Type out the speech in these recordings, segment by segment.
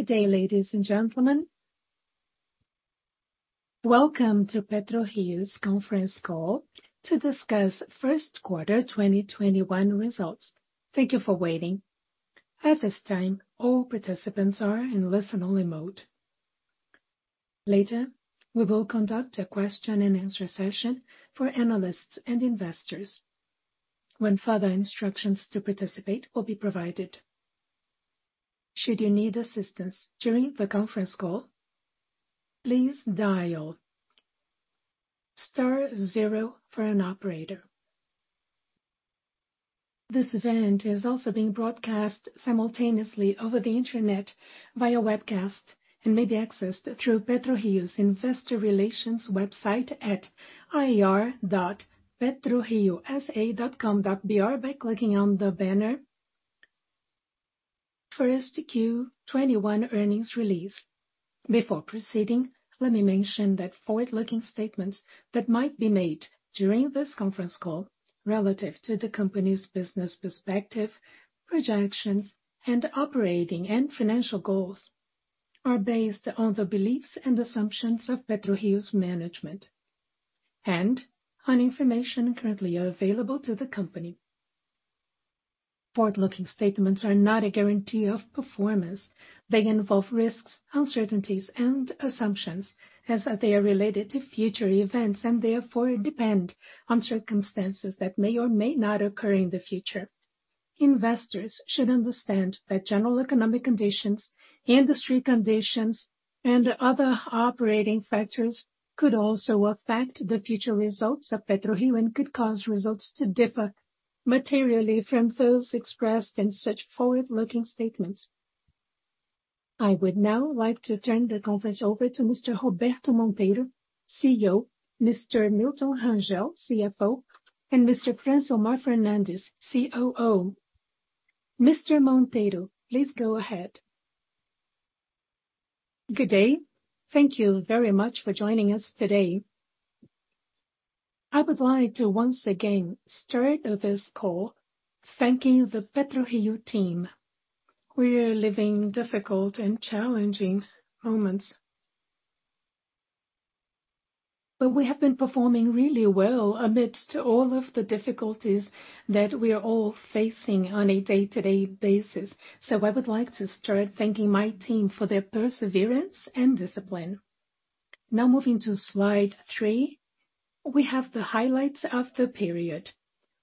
Good day, ladies and gentlemen. Welcome to PetroRio's conference call to discuss first quarter 2021 results. Thank you for waiting. At this time, all participants are in listen-only mode. Later, we will conduct a question and answer session for analysts and investors when further instructions to participate will be provided. Should you need assistance during the conference call, please dial star 0 for an operator. This event is also being broadcast simultaneously over the internet via webcast and may be accessed through PetroRio's investor relations website at ir.petroriosa.com.br by clicking on the banner for 1Q 2021 earnings release. Before proceeding, let me mention that forward-looking statements that might be made during this conference call relative to the company's business perspective, projections, and operating and financial goals are based on the beliefs and assumptions of PetroRio's management and on information currently available to the company. Forward-looking statements are not a guarantee of performance. They involve risks, uncertainties, and assumptions as they are related to future events and therefore depend on circumstances that may or may not occur in the future. Investors should understand that general economic conditions, industry conditions, and other operating factors could also affect the future results of PetroRio and could cause results to differ materially from those expressed in such forward-looking statements. I would now like to turn the conference over to Mr. Roberto Monteiro, CEO, Mr. Milton Rangel, CFO, and Mr. Francisco Francilmar Fernandes, COO. Mr. Monteiro, please go ahead. Good day. Thank you very much for joining us today. I would like to once again start this call thanking the PetroRio team. We are living difficult and challenging moments, but we have been performing really well amidst all of the difficulties that we are all facing on a day-to-day basis. I would like to start thanking my team for their perseverance and discipline. Now moving to slide three, we have the highlights of the period.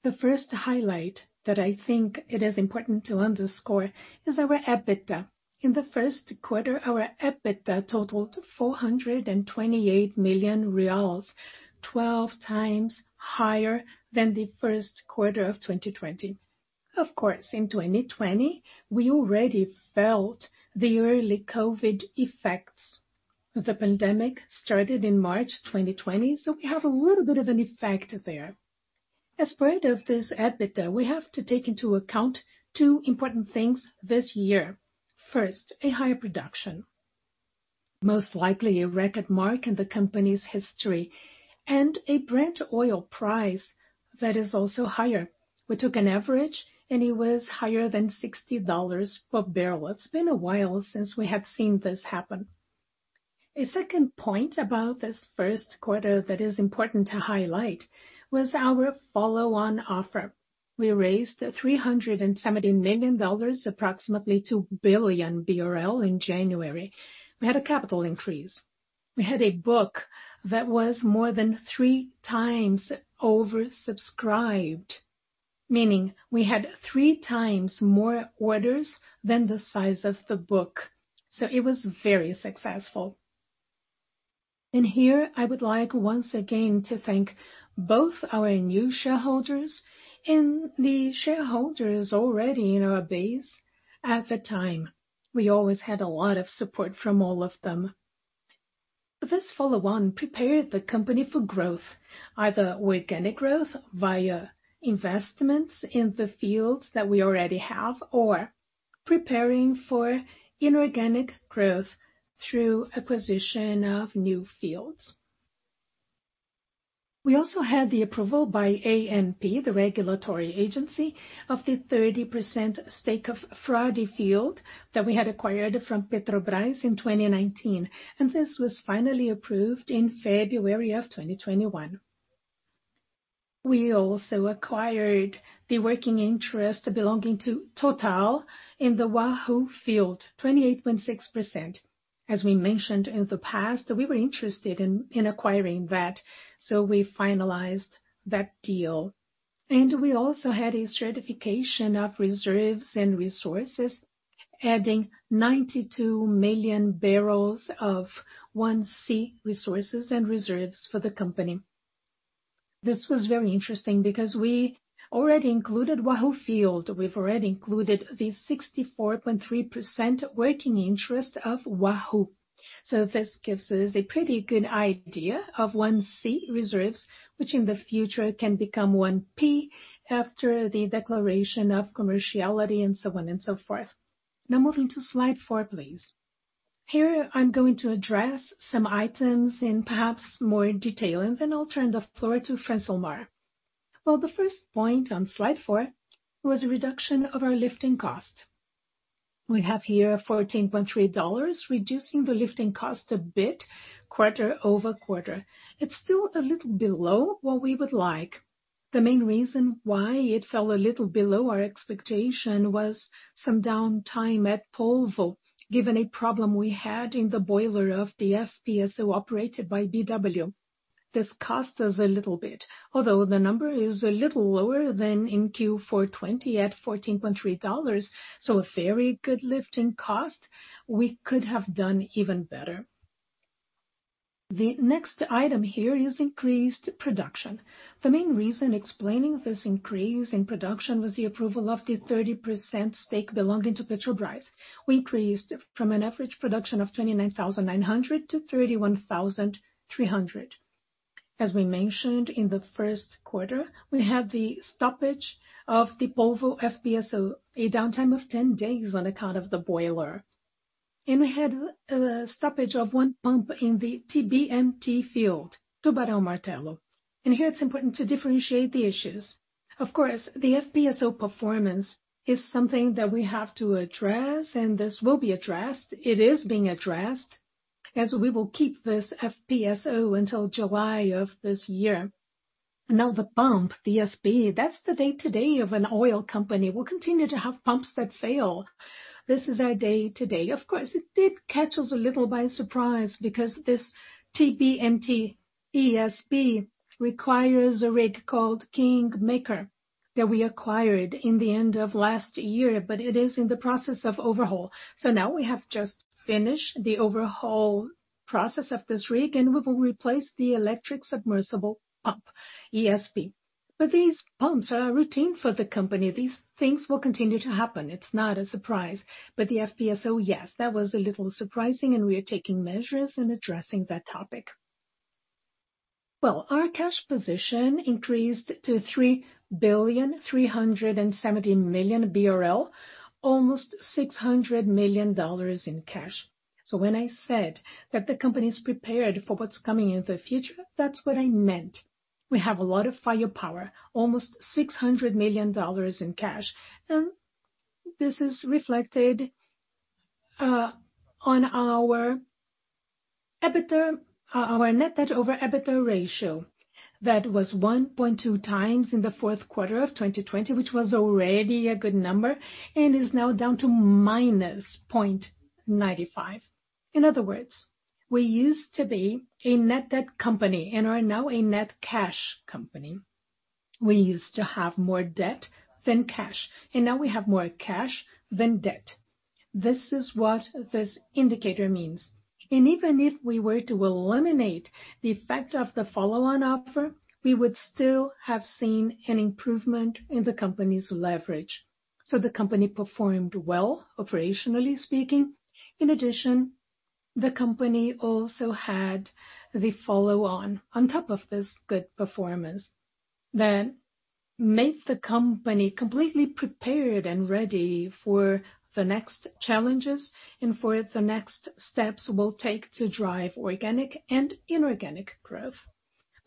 The first highlight that I think it is important to underscore is our EBITDA. In the first quarter, our EBITDA totaled BRL 428 million, 12x higher than the first quarter of 2020. Of course, in 2020, we already felt the early COVID effects. The pandemic started in March 2020, so we have a little bit of an effect there. As part of this EBITDA, we have to take into account two important things this year. First, a higher production, most likely a record mark in the company's history, and a Brent oil price that is also higher. We took an average and it was higher than $60 per barrel. It's been a while since we have seen this happen. A second point about this first quarter that is important to highlight was our follow-on offer. We raised $370 million, approximately 2 billion BRL in January. We had a capital increase. We had a book that was more than three times oversubscribed, meaning we had three times more orders than the size of the book. So it was very successful. Here I would like once again to thank both our new shareholders and the shareholders already in our base at the time. We always had a lot of support from all of them. This follow-on prepared the company for growth, either organic growth via investments in the fields that we already have or preparing for inorganic growth through acquisition of new fields. We also had the approval by ANP, the regulatory agency, of the 30% stake of Frade field that we had acquired from Petrobras in 2019, and this was finally approved in February of 2021. We also acquired the working interest belonging to Total in the Wahoo field, 28.6%. As we mentioned in the past, we were interested in acquiring that, so we finalized that deal. We also had a stratification of reserves and resources, adding 92 million barrels of 1C resources and reserves for the company. This was very interesting because we already included Wahoo field. We've already included the 64.3% working interest of Wahoo. This gives us a pretty good idea of 1C reserves, which in the future can become 1P after the declaration of commerciality and so on and so forth. Now moving to slide four, please. Here I'm going to address some items in perhaps more detail, and then I'll turn the floor to Francilmar. The first point on slide four was a reduction of our lifting cost. We have here $14.3, reducing the lifting cost a bit quarter-over-quarter. It's still a little below what we would like. The main reason why it fell a little below our expectation was some downtime at Polvo, given a problem we had in the boiler of the FPSO operated by BW. This cost us a little bit, although the number is a little lower than in Q4 2020 at $14.3. A very good lifting cost. We could have done even better. The next item here is increased production. The main reason explaining this increase in production was the approval of the 30% stake belonging to Petrobras. We increased from an average production of 29,900 to 31,300. As we mentioned in the first quarter, we had the stoppage of the Polvo FPSO, a downtime of 10 days on account of the boiler. We had a stoppage of one pump in the TBMT field, Tubarão Martelo. Here it's important to differentiate the issues. Of course, the FPSO performance is something that we have to address, and this will be addressed. It is being addressed, as we will keep this FPSO until July of this year. Now the pump, the ESP, that's the day-to-day of an oil company. We'll continue to have pumps that fail. This is our day-to-day. Of course, it did catch us a little by surprise because this TBMT ESP requires a rig called Kingmaker that we acquired in the end of last year, but it is in the process of overhaul. Now we have just finished the overhaul process of this rig, and we will replace the electric submersible pump, ESP. These pumps are routine for the company. These things will continue to happen. It's not a surprise. The FPSO, yes, that was a little surprising and we are taking measures and addressing that topic. Well, our cash position increased to 3,370 million BRL, almost $600 million in cash. When I said that the company's prepared for what's coming in the future, that's what I meant. We have a lot of firepower, almost $600 million in cash. This is reflected on our net debt over EBITDA ratio. That was 1.2x in the fourth quarter of 2020, which was already a good number and is now down to -0.95. In other words, we used to be a net debt company and are now a net cash company. We used to have more debt than cash, and now we have more cash than debt. This is what this indicator means. Even if we were to eliminate the effect of the follow-on offer, we would still have seen an improvement in the company's leverage. The company performed well, operationally speaking. In addition, the company also had the follow-on on top of this good performance that made the company completely prepared and ready for the next challenges and for the next steps we'll take to drive organic and inorganic growth.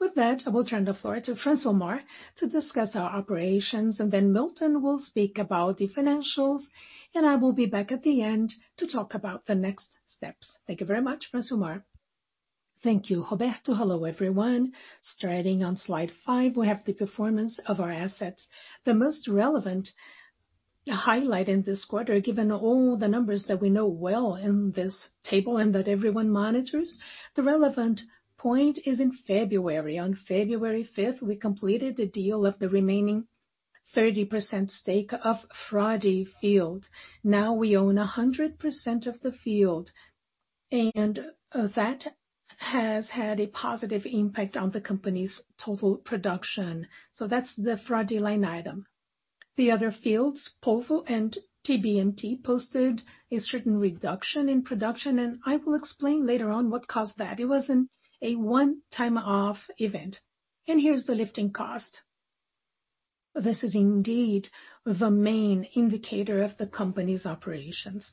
With that, I will turn the floor to Francilmar to discuss our operations, and then Milton will speak about the financials, and I will be back at the end to talk about the next steps. Thank you very much, Francilmar. Thank you, Roberto. Hello, everyone. Starting on slide five, we have the performance of our assets. The most relevant highlight in this quarter, given all the numbers that we know well in this table and that everyone monitors, the relevant point is in February. On February 5th, we completed the deal of the remaining 30% stake of Frade field. Now we own 100% of the field, and that has had a positive impact on the company's total production. That's the Frade line item. The other fields, Polvo and TBMT, posted a certain reduction in production, and I will explain later on what caused that. It wasn't a one-time off event. Here's the lifting cost. This is indeed the main indicator of the company's operations.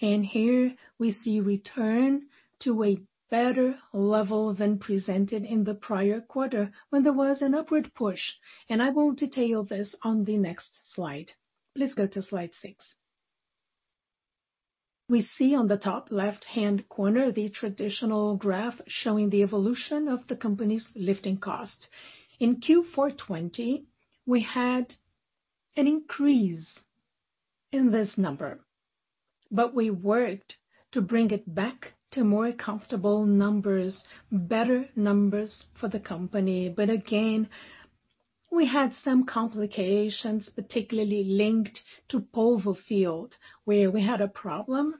Here we see return to a better level than presented in the prior quarter when there was an upward push. I will detail this on the next slide. Please go to slide six. We see on the top left hand corner the traditional graph showing the evolution of the company's lifting cost. In Q4 2020, we had an increase in this number, but we worked to bring it back to more comfortable numbers, better numbers for the company. Again, we had some complications, particularly linked to Polvo field, where we had a problem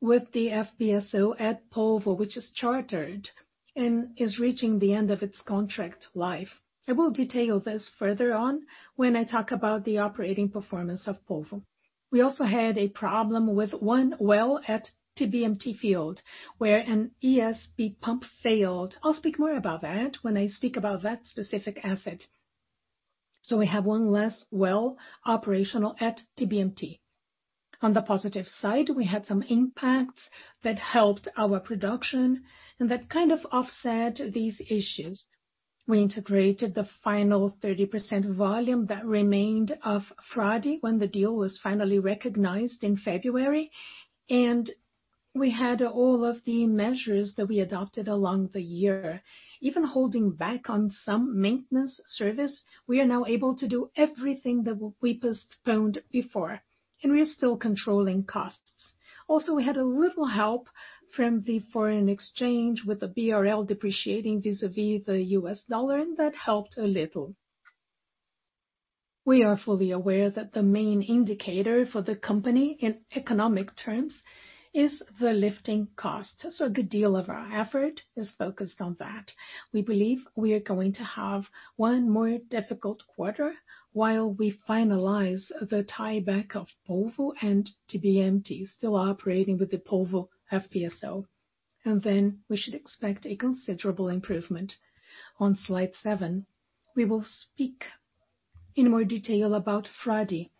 with the FPSO at Polvo, which is chartered and is reaching the end of its contract life. I will detail this further on when I talk about the operating performance of Polvo. We also had a problem with one well at TBMT field where an ESP pump failed. I'll speak more about that when I speak about that specific asset. We have one less well operational at TBMT. On the positive side, we had some impacts that helped our production and that kind of offset these issues. We integrated the final 30% volume that remained of Frade when the deal was finally recognized in February, and we had all of the measures that we adopted along the year. Even holding back on some maintenance service, we are now able to do everything that we postponed before, and we are still controlling costs. Also, we had a little help from the foreign exchange with the BRL depreciating vis-a-vis the U.S. dollar, and that helped a little. We are fully aware that the main indicator for the company in economic terms is the lifting cost. A good deal of our effort is focused on that. We believe we are going to have one more difficult quarter while we finalize the tieback of Polvo and TBMT still operating with the Polvo FPSO. Then we should expect a considerable improvement. On slide seven, we will speak in more detail about Frade.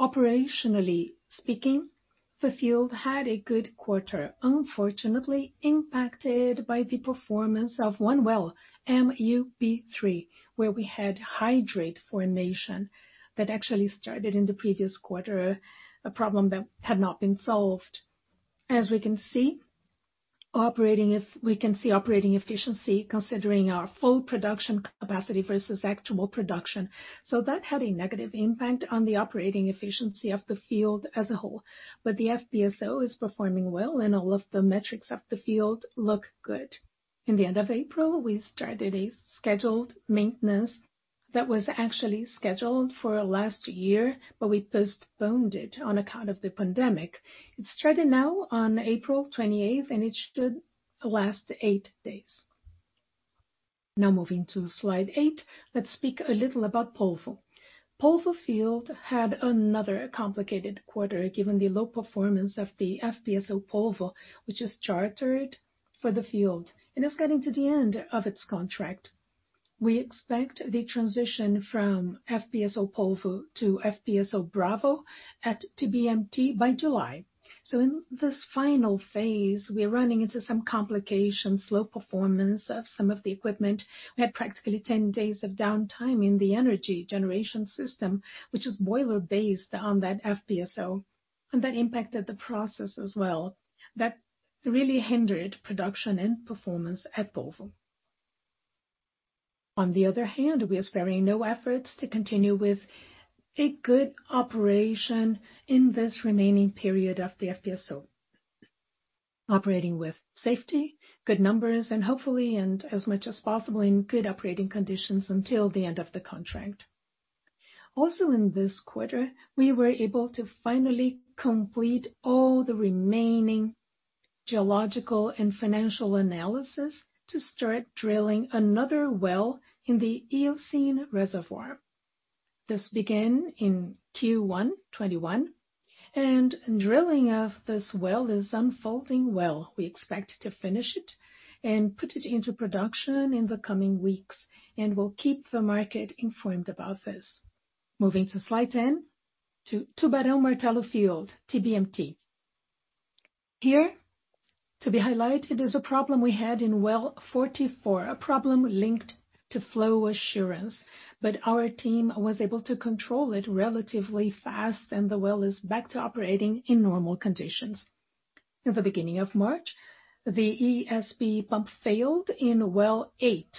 Operationally speaking, the field had a good quarter, unfortunately impacted by the performance of one well, MUP3, where we had hydrate formation that actually started in the previous quarter, a problem that had not been solved. As we can see operating efficiency considering our full production capacity versus actual production. That had a negative impact on the operating efficiency of the field as a whole. The FPSO is performing well, and all of the metrics of the field look good. In the end of April, we started a scheduled maintenance that was actually scheduled for last year, but we postponed it on account of the pandemic. It started now on April 28th and it should last eight days. Moving to slide eight, let's speak a little about Polvo. Polvo field had another complicated quarter given the low performance of the FPSO Polvo, which is chartered for the field, and it's getting to the end of its contract. We expect the transition from FPSO Polvo to FPSO Bravo at TBMT by July. In this final phase, we are running into some complications, low performance of some of the equipment. We had practically 10 days of downtime in the energy generation system, which is boiler-based on that FPSO, and that impacted the process as well. That really hindered production and performance at Polvo. On the other hand, we are sparing no efforts to continue with a good operation in this remaining period of the FPSO, operating with safety, good numbers, and hopefully, and as much as possible in good operating conditions until the end of the contract. Also in this quarter, we were able to finally complete all the remaining geological and financial analysis to start drilling another well in the Eocene reservoir. This began in Q1 2021, and drilling of this well is unfolding well. We expect to finish it and put it into production in the coming weeks, and we'll keep the market informed about this. Moving to slide 10, to Tubarão Martelo field, TBMT. Here to be highlighted is a problem we had in well 44, a problem linked to flow assurance, but our team was able to control it relatively fast, and the well is back to operating in normal conditions. In the beginning of March, the ESP pump failed in well eight.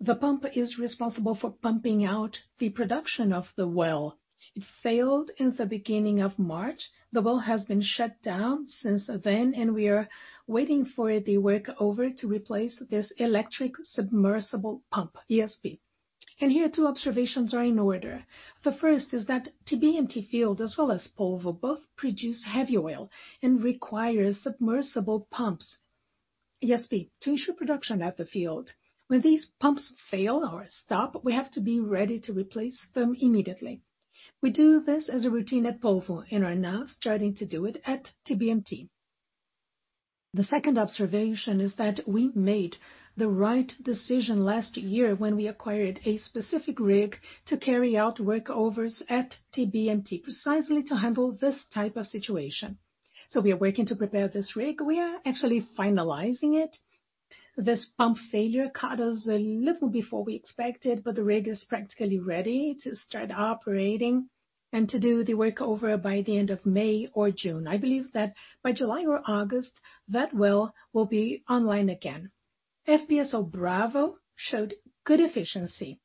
The pump is responsible for pumping out the production of the well. It failed in the beginning of March. The well has been shut down since then, we are waiting for the workover to replace this electric submersible pump, ESP. Here two observations are in order. The first is that TBMT field as well as Polvo both produce heavy oil and require submersible pumps, ESP, to ensure production at the field. When these pumps fail or stop, we have to be ready to replace them immediately. We do this as a routine at Polvo and are now starting to do it at TBMT. The second observation is that we made the right decision last year when we acquired a specific rig to carry out workovers at TBMT, precisely to handle this type of situation. We are working to prepare this rig. We are actually finalizing it. This pump failure caught us a little before we expected, the rig is practically ready to start operating and to do the workover by the end of May or June. I believe that by July or August, that well will be online again. FPSO Bravo showed good efficiency.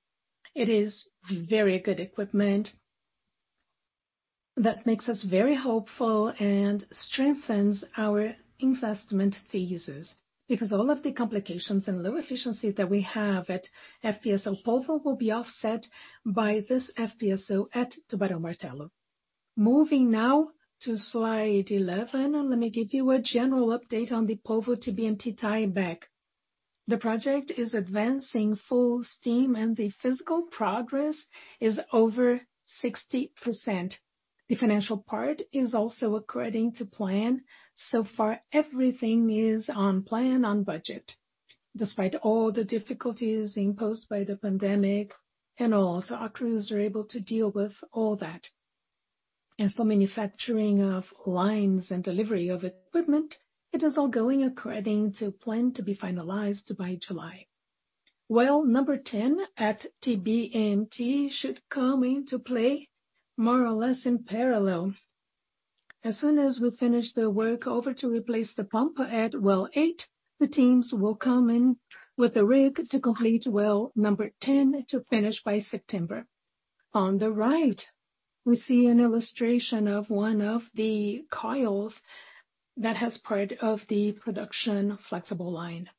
It is very good equipment that makes us very hopeful and strengthens our investment thesis because all of the complications and low efficiency that we have at FPSO Polvo will be offset by this FPSO at Tubarão Martelo. Moving now to slide 11, let me give you a general update on the Polvo TBMT tieback. The project is advancing full steam and the physical progress is over 60%. The financial part is also according to plan. So far, everything is on plan, on budget. Despite all the difficulties imposed by the pandemic and all, our crews were able to deal with all that. Manufacturing of lines and delivery of equipment, it is all going according to plan to be finalized by July. Well number 10 at TBMT should come into play more or less in parallel. As soon as we finish the workover to replace the pump at well eight, the teams will come in with a rig to complete well number 10 to finish by September. On the right, we see an illustration of one of the coils that has part of the production flexible line.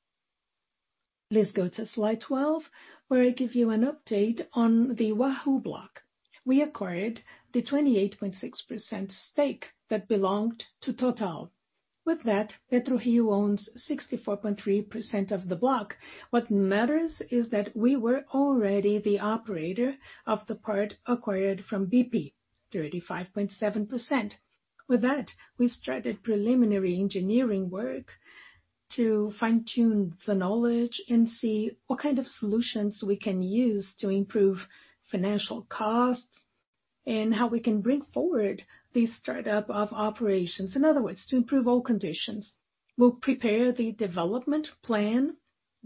Please go to slide 12, where I give you an update on the Wahoo Block. We acquired the 28.6% stake that belonged to Total. With that, PetroRio owns 64.3% of the block. What matters is that we were already the operator of the part acquired from BP, 35.7%. With that, we started preliminary engineering work to fine-tune the knowledge and see what kind of solutions we can use to improve financial costs and how we can bring forward the startup of operations. In other words, to improve all conditions. We'll prepare the development plan,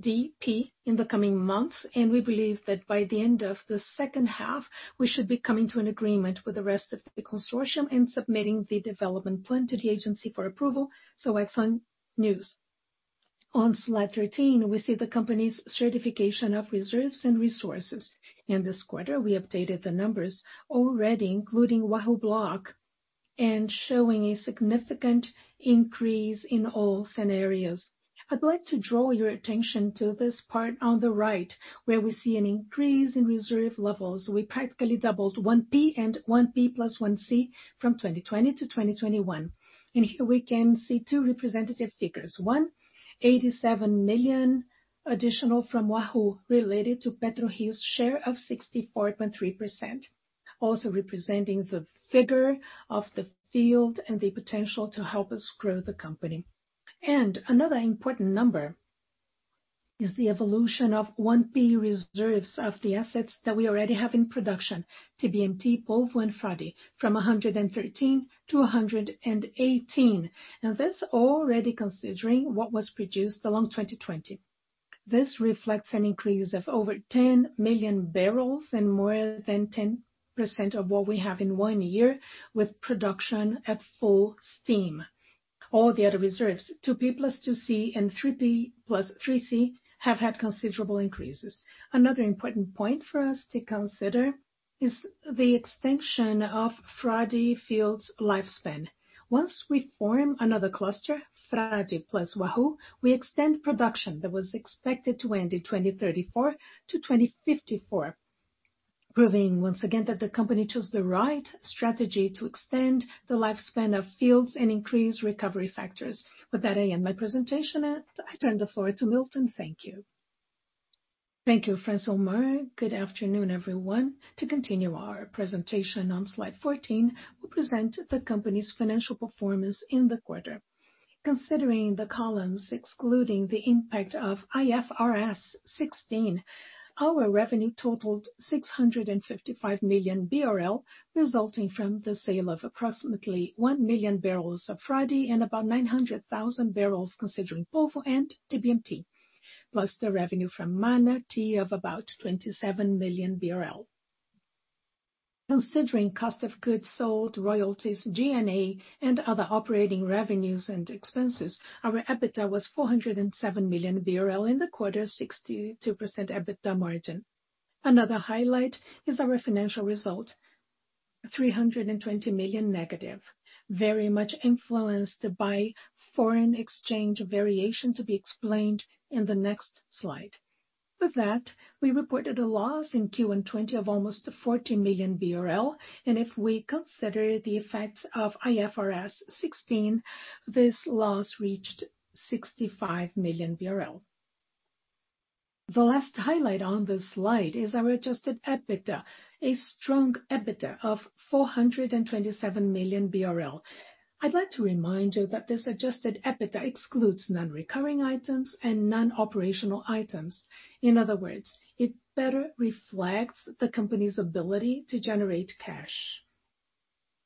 DP, in the coming months. We believe that by the end of the second half, we should be coming to an agreement with the rest of the consortium and submitting the development plan to the agency for approval. Excellent news. On slide 13, we see the company's certification of reserves and resources. In this quarter, we updated the numbers already including Wahoo Block, and showing a significant increase in all scenarios. I'd like to draw your attention to this part on the right, where we see an increase in reserve levels. We practically doubled 1P and 1P plus 1C from 2020 to 2021. Here we can see two representative figures, 187 million additional from Wahoo related to PetroRio's share of 64.3%. Also representing the figure of the field and the potential to help us grow the company. Another important number is the evolution of 1P reserves of the assets that we already have in production, TBMT, Polvo and Frade, from 113 to 118. Now, that's already considering what was produced along 2020. This reflects an increase of over 10 million barrels and more than 10% of what we have in one year with production at full steam. All the other reserves, 2P plus 2C and 3P plus 3C, have had considerable increases. Another important point for us to consider is the extension of Frade field's lifespan. Once we form another cluster, Frade plus Wahoo, we extend production that was expected to end in 2034 to 2054, proving once again that the company chose the right strategy to extend the lifespan of fields and increase recovery factors. With that, I end my presentation and I turn the floor to Milton. Thank you. Thank you, Francilmar. Good afternoon, everyone. To continue our presentation, on slide 14, we present the company's financial performance in the quarter. Considering the columns, excluding the impact of IFRS 16, our revenue totaled 655 million BRL, resulting from the sale of approximately 1 million barrels of Frade and about 900,000 barrels considering Polvo and TBMT, plus the revenue from Manati of about 27 million BRL. Considering cost of goods sold, royalties, G&A, and other operating revenues and expenses, our EBITDA was 407 million BRL in the quarter, 62% EBITDA margin. Another highlight is our financial result, -320 million, very much influenced by foreign exchange variation to be explained in the next slide. With that, we reported a loss in Q1 2020 of almost 40 million BRL. If we consider the effects of IFRS 16, this loss reached 65 million BRL. The last highlight on this slide is our Adjusted EBITDA, a strong EBITDA of 427 million BRL. I'd like to remind you that this Adjusted EBITDA excludes non-recurring items and non-operational items. In other words, it better reflects the company's ability to generate cash.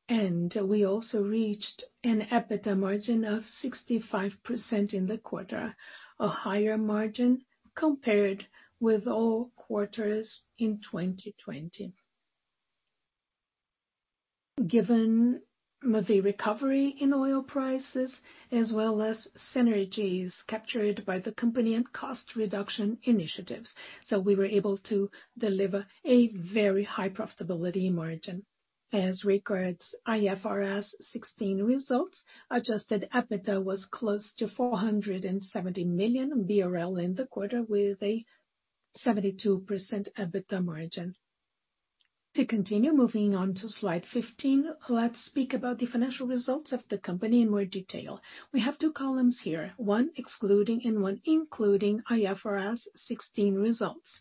We also reached an EBITDA margin of 65% in the quarter, a higher margin compared with all quarters in 2020. Given the recovery in oil prices, as well as synergies captured by the company and cost reduction initiatives. We were able to deliver a very high profitability margin. As regards IFRS 16 results, Adjusted EBITDA was close to 470 million BRL in the quarter with a 72% EBITDA margin. To continue, moving on to slide 15, let's speak about the financial results of the company in more detail. We have two columns here, one excluding and one including IFRS 16 results.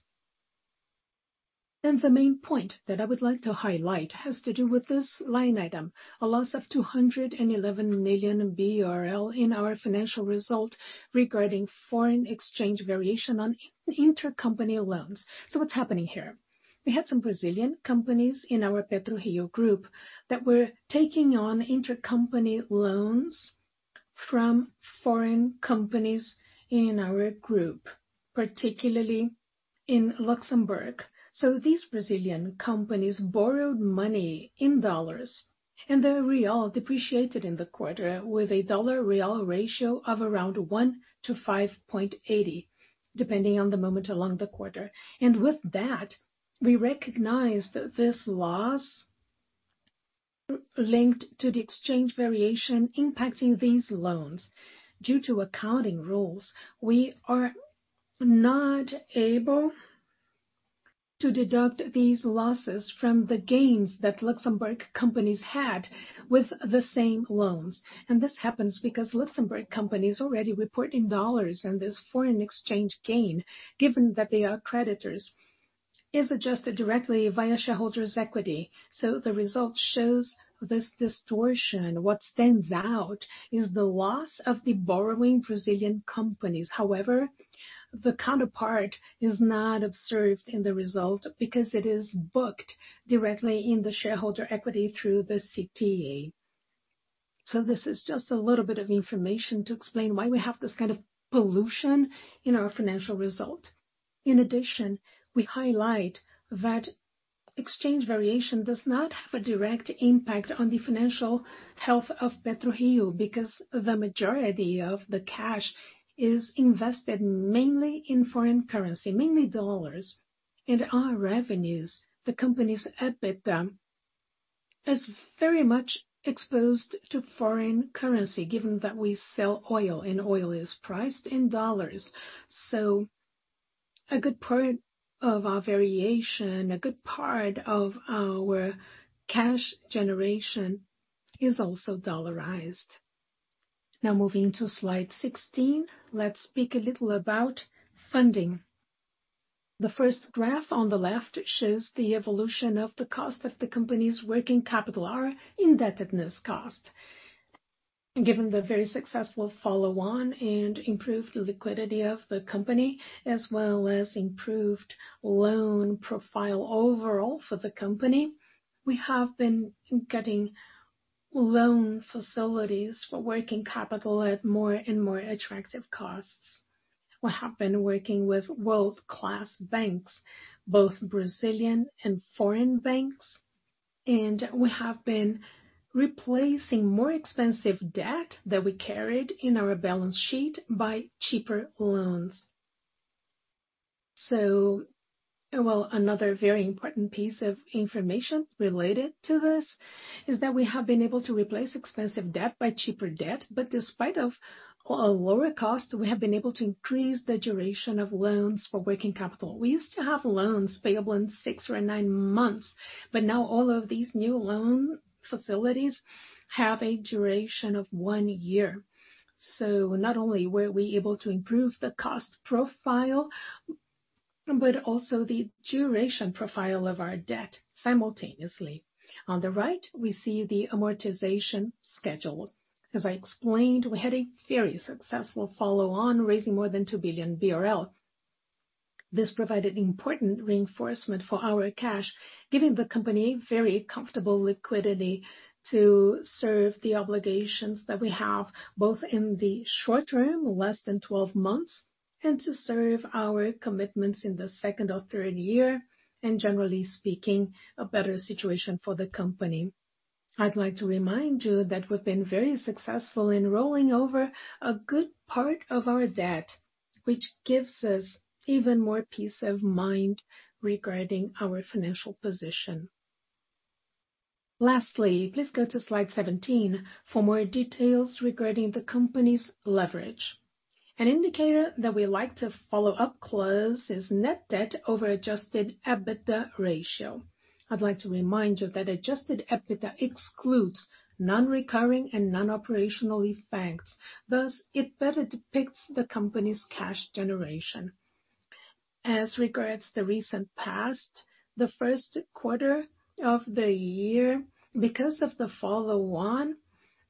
The main point that I would like to highlight has to do with this line item, a loss of 211 million BRL in our financial result regarding foreign exchange variation on intercompany loans. What's happening here? We had some Brazilian companies in our PetroRio group that were taking on intercompany loans from foreign companies in our group, particularly in Luxembourg. These Brazilian companies borrowed money in USD, and the BRL depreciated in the quarter with a USD-BRL ratio of around $1 to 5.80, depending on the moment along the quarter. With that, we recognized this loss linked to the exchange variation impacting these loans. Due to accounting rules, we are not able to deduct these losses from the gains that Luxembourg companies had with the same loans. This happens because Luxembourg companies already report in dollars, and this foreign exchange gain, given that they are creditors, is adjusted directly via shareholders' equity. The result shows this distortion. What stands out is the loss of the borrowing Brazilian companies. However, the counterpart is not observed in the result because it is booked directly in the shareholder equity through the CTA. This is just a little bit of information to explain why we have this kind of pollution in our financial result. In addition, we highlight that exchange variation does not have a direct impact on the financial health of PetroRio, because the majority of the cash is invested mainly in foreign currency, mainly dollars. Our revenues, the company's EBITDA, is very much exposed to foreign currency, given that we sell oil, and oil is priced in dollars. A good part of our variation, a good part of our cash generation, is also dollarized. Moving to slide 16, let's speak a little about funding. The first graph on the left shows the evolution of the cost of the company's working capital, our indebtedness cost. Given the very successful follow-on and improved liquidity of the company, as well as improved loan profile overall for the company, we have been getting loan facilities for working capital at more and more attractive costs. We have been working with world-class banks, both Brazilian and foreign banks, and we have been replacing more expensive debt that we carried in our balance sheet by cheaper loans. Another very important piece of information related to this is that we have been able to replace expensive debt by cheaper debt. Despite of a lower cost, we have been able to increase the duration of loans for working capital. We used to have loans payable in six or nine months, but now all of these new loan facilities have a duration of one year. Not only were we able to improve the cost profile, but also the duration profile of our debt simultaneously. On the right, we see the amortization schedule. As I explained, we had a very successful follow-on, raising more than 2 billion BRL. This provided important reinforcement for our cash, giving the company very comfortable liquidity to serve the obligations that we have, both in the short term, less than 12 months, and to serve our commitments in the second or third year, and generally speaking, a better situation for the company. I'd like to remind you that we've been very successful in rolling over a good part of our debt, which gives us even more peace of mind regarding our financial position. Lastly, please go to slide 17 for more details regarding the company's leverage. An indicator that we like to follow up close is net debt over Adjusted EBITDA ratio. I'd like to remind you that Adjusted EBITDA excludes non-recurring and non-operational effects. Thus, it better depicts the company's cash generation. As regards the recent past, the first quarter of the year, because of the follow-on,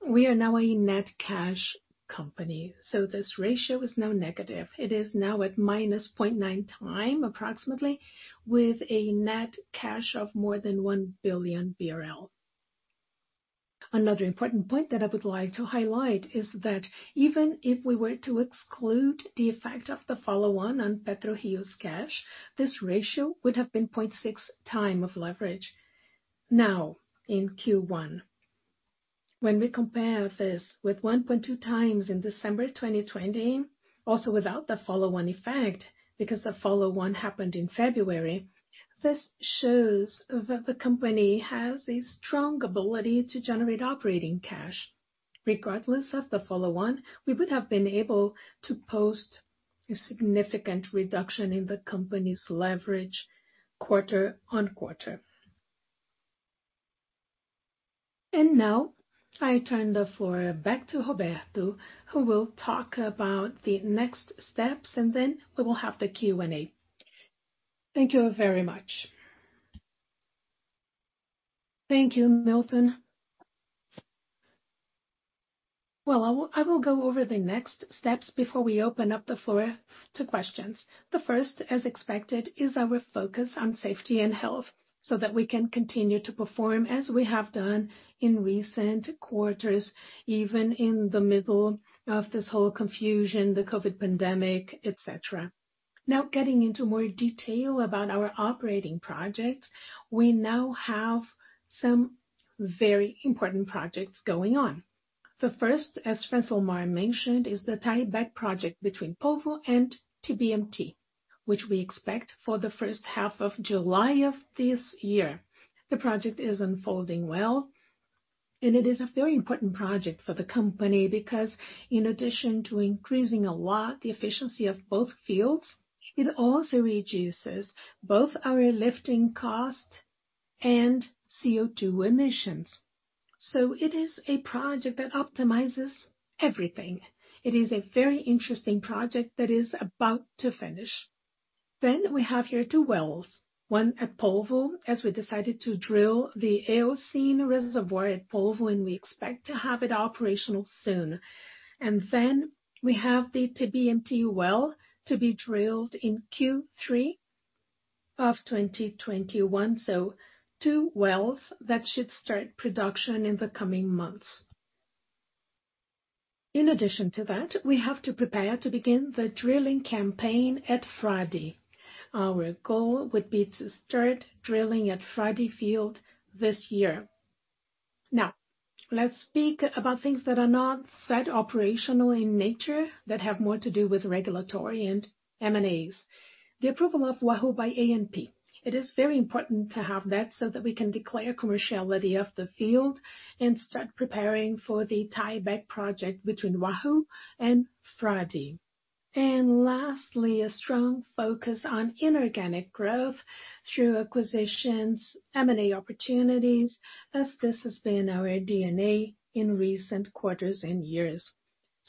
we are now a net cash company. This ratio is now negative. It is now at -0.9 time approximately, with a net cash of more than 1 billion BRL. Another important point that I would like to highlight is that even if we were to exclude the effect of the follow-on on PetroRio's cash, this ratio would have been 0.6 time of leverage. Now, in Q1, when we compare this with 1.2x in December 2020, also without the follow-on effect, because the follow-on happened in February, this shows that the company has a strong ability to generate operating cash. Regardless of the follow on, we would have been able to post a significant reduction in the company's leverage quarter-on-quarter. Now I turn the floor back to Roberto, who will talk about the next steps, and then we will have the Q&A. Thank you very much. Thank you, Milton. Well, I will go over the next steps before we open up the floor to questions. The first, as expected, is our focus on safety and health, so that we can continue to perform as we have done in recent quarters, even in the middle of this whole confusion, the COVID pandemic, et cetera. Getting into more detail about our operating projects. We now have some very important projects going on. The first, as Francilmar mentioned, is the tieback project between Polvo and TBMT, which we expect for the first half of July of this year. The project is unfolding well, and it is a very important project for the company because in addition to increasing a lot the efficiency of both fields, it also reduces both our lifting cost and CO2 emissions. It is a project that optimizes everything. It is a very interesting project that is about to finish. We have here two wells, one at Polvo, as we decided to drill the Eocene reservoir at Polvo, and we expect to have it operational soon. We have the TBMT well to be drilled in Q3 of 2021. Two wells that should start production in the coming months. In addition to that, we have to prepare to begin the drilling campaign at Frade. Our goal would be to start drilling at Frade field this year. Let's speak about things that are not set operational in nature that have more to do with regulatory and M&As. The approval of Wahoo by ANP, it is very important to have that so that we can declare commerciality of the field and start preparing for the tieback project between Wahoo and Frade. Lastly, a strong focus on inorganic growth through acquisitions, M&A opportunities, as this has been our DNA in recent quarters and years.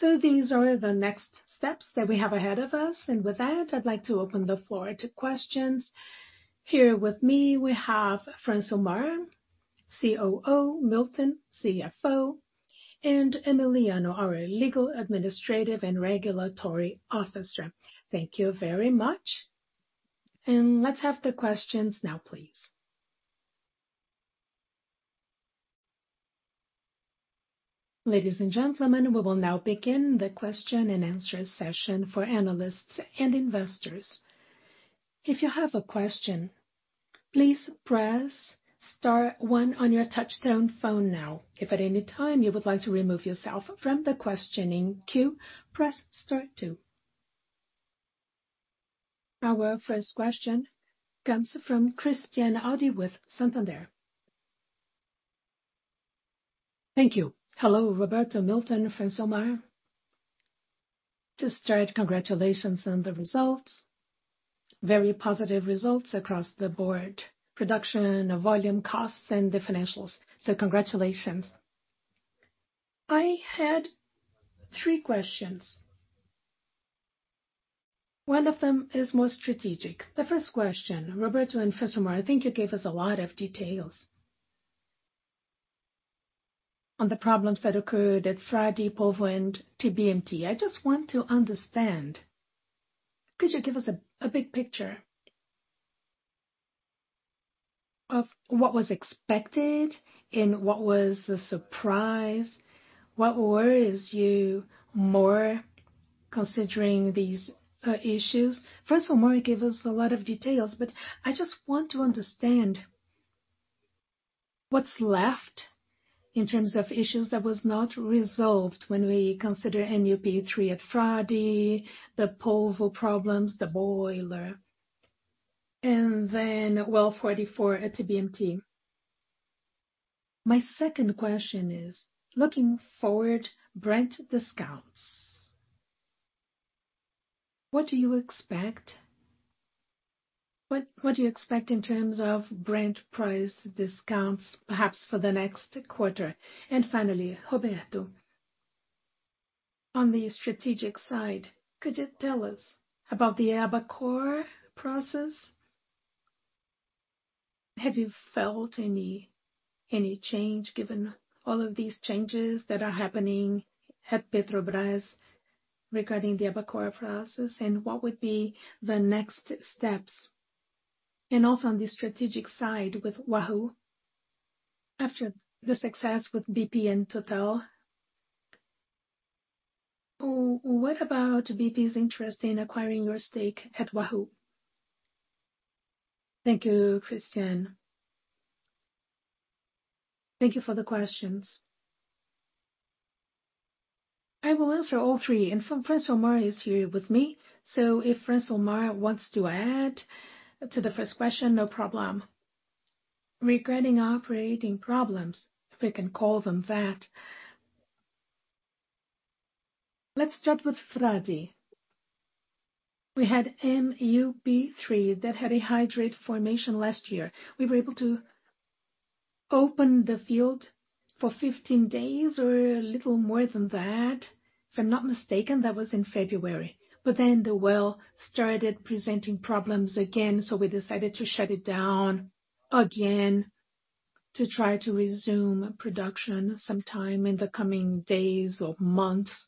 These are the next steps that we have ahead of us. With that, I'd like to open the floor to questions. Here with me, we have Francilmar, COO, Milton, CFO, and Emiliano, our Legal, Administrative and Regulatory Officer. Thank you very much. Let's have the questions now, please. Ladies and gentlemen we will now begin the question and answer session for analysts and investors. If you have a question please press star one on your touch tone phone now. If at anytime you would like to remove yourself from the questioning queue, press star then two. Our first question comes from Christian Audi with Santander. Thank you. Hello, Roberto, Milton, Francilmar. To start, congratulations on the results. Very positive results across the board. Production, volume, costs, and the financials. Congratulations. I had three questions. One of them is more strategic. The first question, Roberto and Francilmar, I think you gave us a lot of details on the problems that occurred at Frade, Polvo, and TBMT. I just want to understand, could you give us a big picture of what was expected and what was the surprise? What worries you more considering these issues? Francilmar, you gave us a lot of details, but I just want to understand what's left in terms of issues that was not resolved when we consider MUP3 at Frade, the Polvo problems, the boiler, and then well 44 at TBMT. My second question is, looking forward, Brent discounts. What do you expect in terms of Brent price discounts, perhaps for the next quarter? Finally, Roberto, on the strategic side, could you tell us about the Albacora process? Have you felt any change given all of these changes that are happening at Petrobras regarding the Albacora process, and what would be the next steps? Also on the strategic side with Wahoo, after the success with BP and Total, what about BP's interest in acquiring your stake at Wahoo? Thank you, Christian. Thank you for the questions. I will answer all three, and Francilmar is here with me, so if Francilmar wants to add to the first question, no problem. Regarding operating problems, if we can call them that. Let's start with Frade. We had MUP-3 that had a hydrate formation last year. We were able to open the field for 15 days or a little more than that. If I'm not mistaken, that was in February. The well started presenting problems again, so we decided to shut it down again to try to resume production sometime in the coming days or months.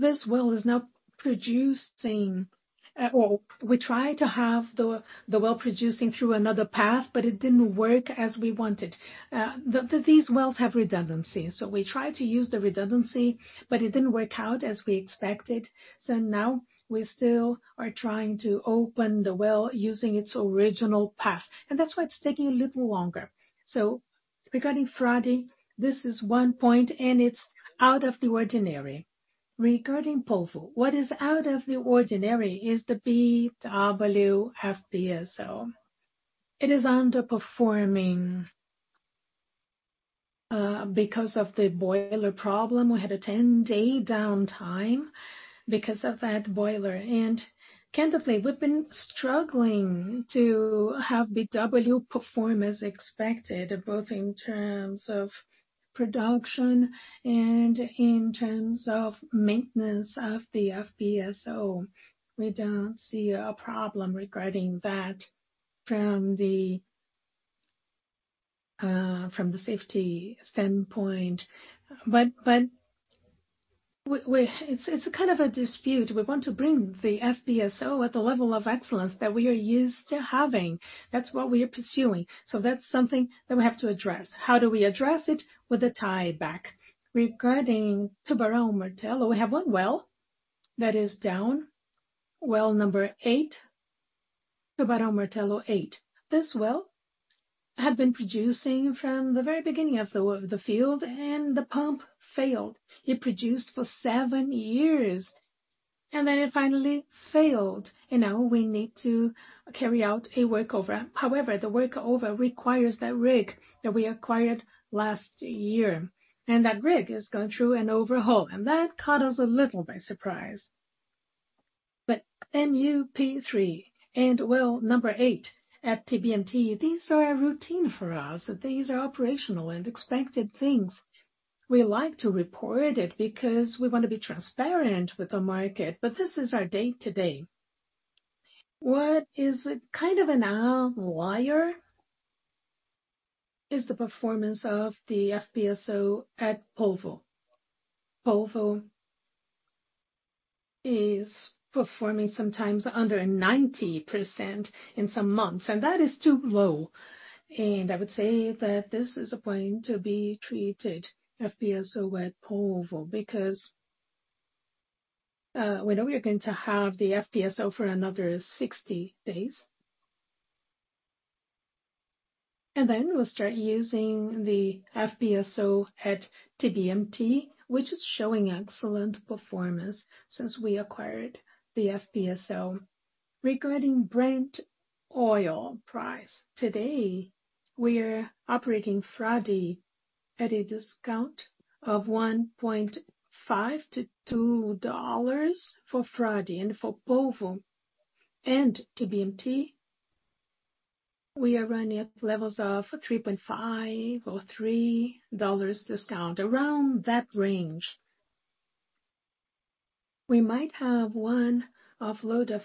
This well is now producing. We try to have the well producing through another path, but it didn't work as we wanted. These wells have redundancy, so we tried to use the redundancy, but it didn't work out as we expected. Now we still are trying to open the well using its original path, and that's why it's taking a little longer. Regarding Frade, this is one point, and it's out of the ordinary. Regarding Polvo, what is out of the ordinary is the BW FPSO. It is underperforming because of the boiler problem. We had a 10-day downtime because of that boiler. Candidly, we've been struggling to have BW perform as expected, both in terms of production and in terms of maintenance of the FPSO. We don't see a problem regarding that from the safety standpoint. It's a kind of a dispute. We want to bring the FPSO at the level of excellence that we are used to having. That's what we are pursuing. That's something that we have to address. How do we address it? With a tieback. Regarding Tubarão Martelo, we have one well that is down, well number eight, Tubarão Martelo eight. This well had been producing from the very beginning of the field, and the pump failed. It produced for seven years, and then it finally failed, and now we need to carry out a workover. The workover requires that rig that we acquired last year, and that rig is going through an overhaul, and that caught us a little by surprise. MUP-3 and well number eight at TBMT, these are routine for us. These are operational and expected things. We like to report it because we want to be transparent with the market, this is our day-to-day. What is kind of an outlier is the performance of the FPSO at Polvo. Polvo is performing sometimes under a 90% in some months, that is too low. I would say that this is going to be treated FPSO at Polvo because we know we are going to have the FPSO for another 60 days. We'll start using the FPSO at TBMT, which is showing excellent performance since we acquired the FPSO. Regarding Brent oil price, today, we are operating Frade at a discount of $1.50-$2 for Frade and for Polvo and TBMT, we are running at levels of $3.50 or $3 discount, around that range. We might have one offload of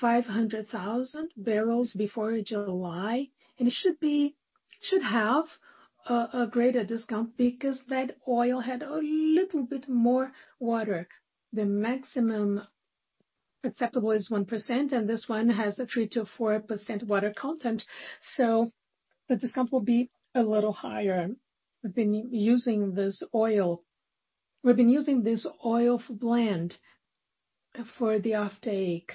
500,000 barrels before July. It should have a greater discount because that oil had a little bit more water. The maximum acceptable is 1%. This one has a 3%-4% water content, the discount will be a little higher. We've been using this oil blend for the offtake.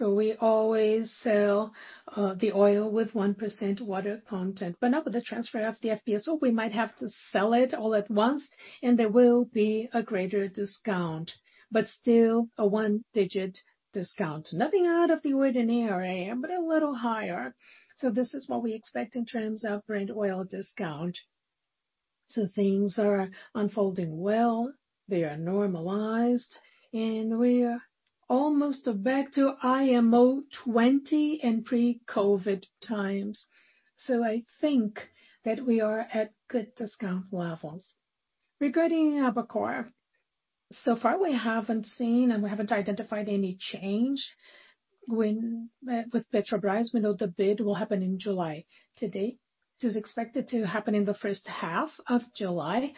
We always sell the oil with 1% water content. Now with the transfer of the FPSO, we might have to sell it all at once. There will be a greater discount, but still a one digit discount. Nothing out of the ordinary. A little higher. This is what we expect in terms of Brent oil discount. Things are unfolding well. They are normalized, and we're almost back to IMO 2020 and pre-COVID times. I think that we are at good discount levels. Regarding Albacora, so far we haven't seen and we haven't identified any change with Petrobras. We know the bid will happen in July. To date, it is expected to happen in the first half of July.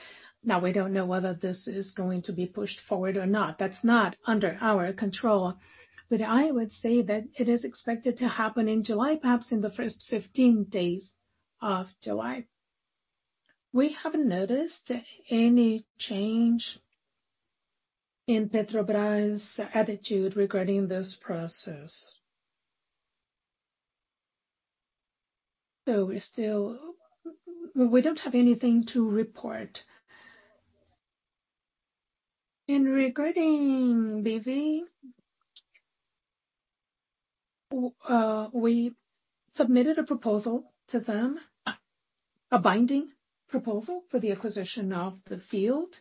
We don't know whether this is going to be pushed forward or not. That's not under our control. I would say that it is expected to happen in July, perhaps in the first 15 days of July. We haven't noticed any change in Petrobras' attitude regarding this process. We don't have anything to report. Regarding IBV, we submitted a proposal to them, a binding proposal for the acquisition of the field,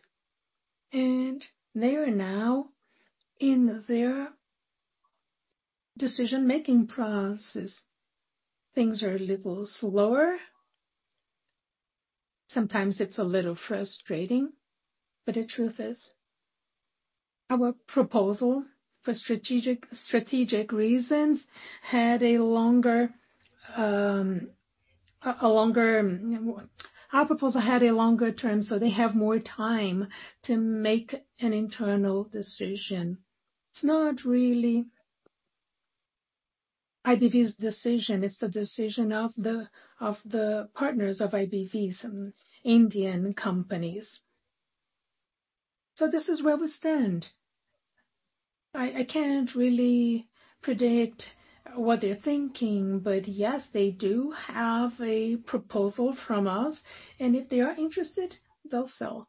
and they are now in their decision-making process. Things are a little slower. Sometimes it's a little frustrating. The truth is our proposal, for strategic reasons, had a longer term, so they have more time to make an internal decision. It's not really IBV's decision. It's the decision of the partners of IBV, some Indian companies. This is where we stand. I can't really predict what they're thinking. Yes, they do have a proposal from us, and if they are interested, they'll sell.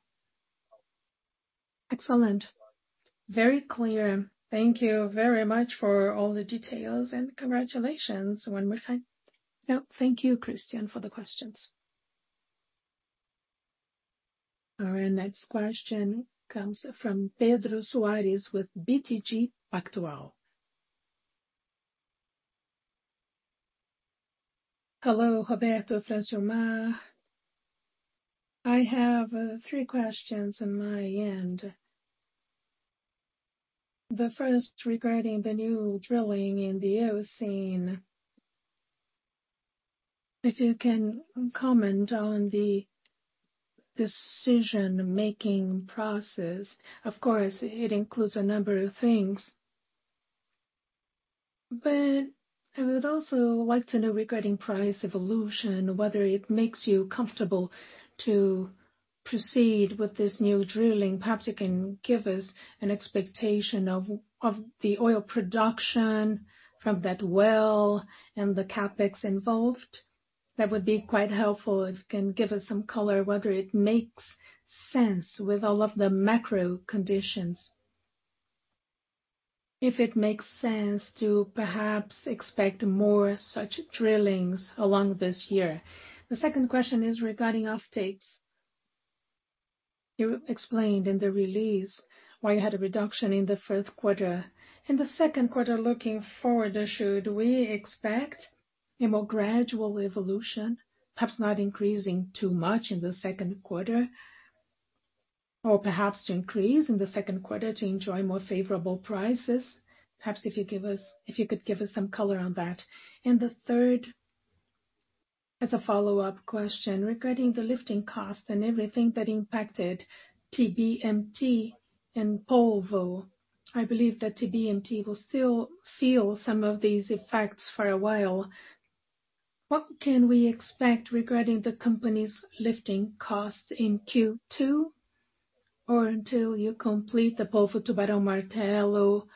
Excellent. Very clear. Thank you very much for all the details, and congratulations one more time. No, thank you, Christian, for the questions. Our next question comes from Pedro Soares with BTG Pactual. Hello, Roberto, Francilmar. I have three questions on my end. The first regarding the new drilling in the Eocene. If you can comment on the decision-making process. Of course, it includes a number of things. I would also like to know regarding price evolution, whether it makes you comfortable to proceed with this new drilling. Perhaps you can give us an expectation of the oil production from that well and the CapEx involved. That would be quite helpful if you can give us some color whether it makes sense with all of the macro conditions. If it makes sense to perhaps expect more such drillings along this year. The second question is regarding offtakes. You explained in the release why you had a reduction in the first quarter. In the second quarter, looking forward, should we expect a more gradual evolution, perhaps not increasing too much in the second quarter, or perhaps to increase in the second quarter to enjoy more favorable prices? Perhaps if you could give us some color on that. The third, as a follow-up question regarding the lifting cost and everything that impacted TBMT and Polvo. I believe that TBMT will still feel some of these effects for a while. What can we expect regarding the company's lifting cost in Q2, or until you complete the Polvo Tubarão-Martelo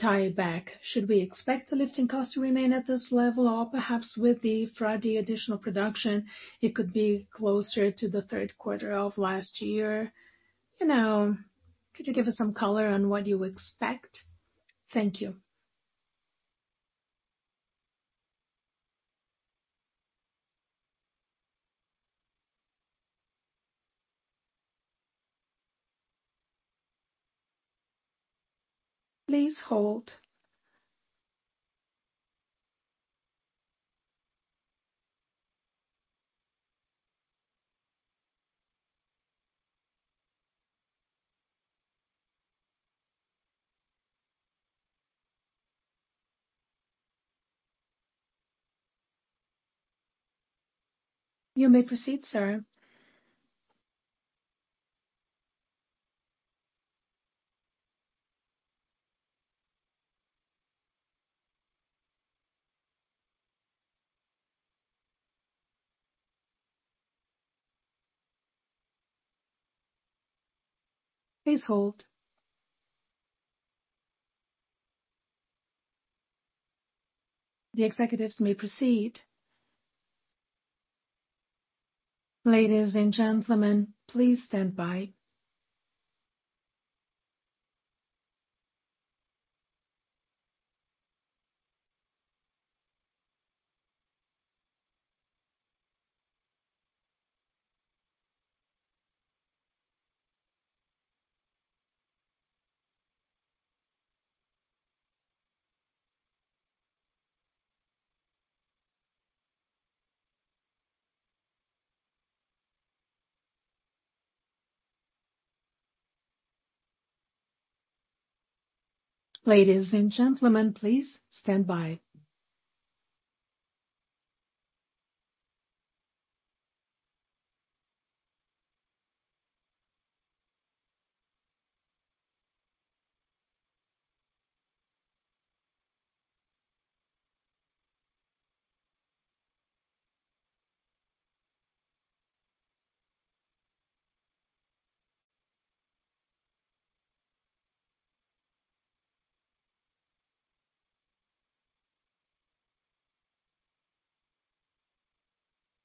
tieback? Should we expect the lifting cost to remain at this level, or perhaps with the Frade additional production, it could be closer to the third quarter of last year? Could you give us some color on what you expect? Thank you. Please hold. You may proceed, sir. Please hold. The executives may proceed. Ladies and gentlemen please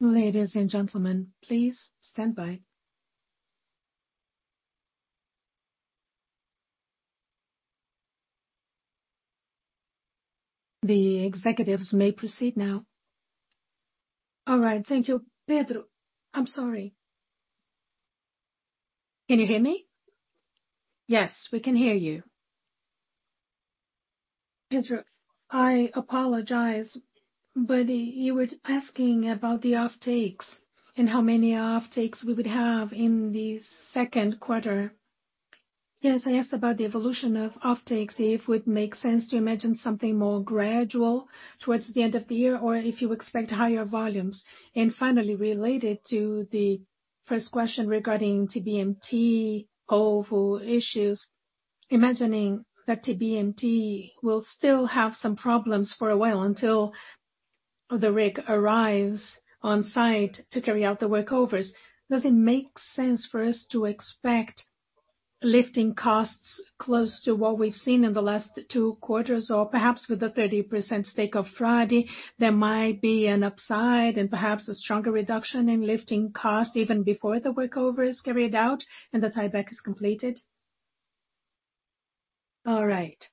standby. Thank you, Pedro. I'm sorry. Can you hear me? Yes, we can hear you. Pedro, I apologize, but you were asking about the offtakes and how many offtakes we would have in the second quarter. Yes, I asked about the evolution of offtakes, if it would make sense to imagine something more gradual towards the end of the year, or if you expect higher volumes. Finally, related to the first question regarding TBMT, Polvo issues, imagining that TBMT will still have some problems for a while until the rig arrives on site to carry out the workovers. Does it make sense for us to expect lifting costs close to what we've seen in the last two quarters? Perhaps with the 30% stake of Frade, there might be an upside and perhaps a stronger reduction in lifting costs even before the workover is carried out and the tieback is completed? All right.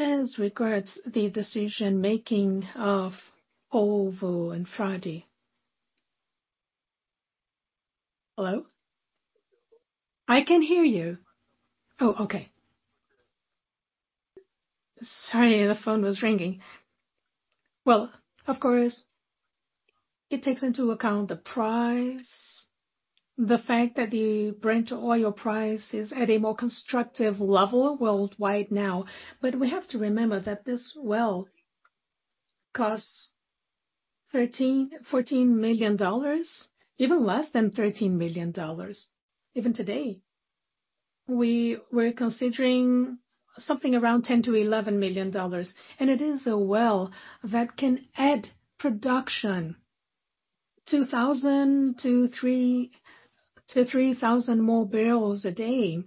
As regards the decision-making of Polvo and Frade. Hello? I can hear you. Oh, okay. Sorry, the phone was ringing. Well, of course, it takes into account the price, the fact that the Brent oil price is at a more constructive level worldwide now. We have to remember that this well costs $13 million, $14 million, even less than $13 million. Even today, we were considering something around $10 million-$11 million, and it is a well that can add production 2,000 to 3,000 more barrels a day.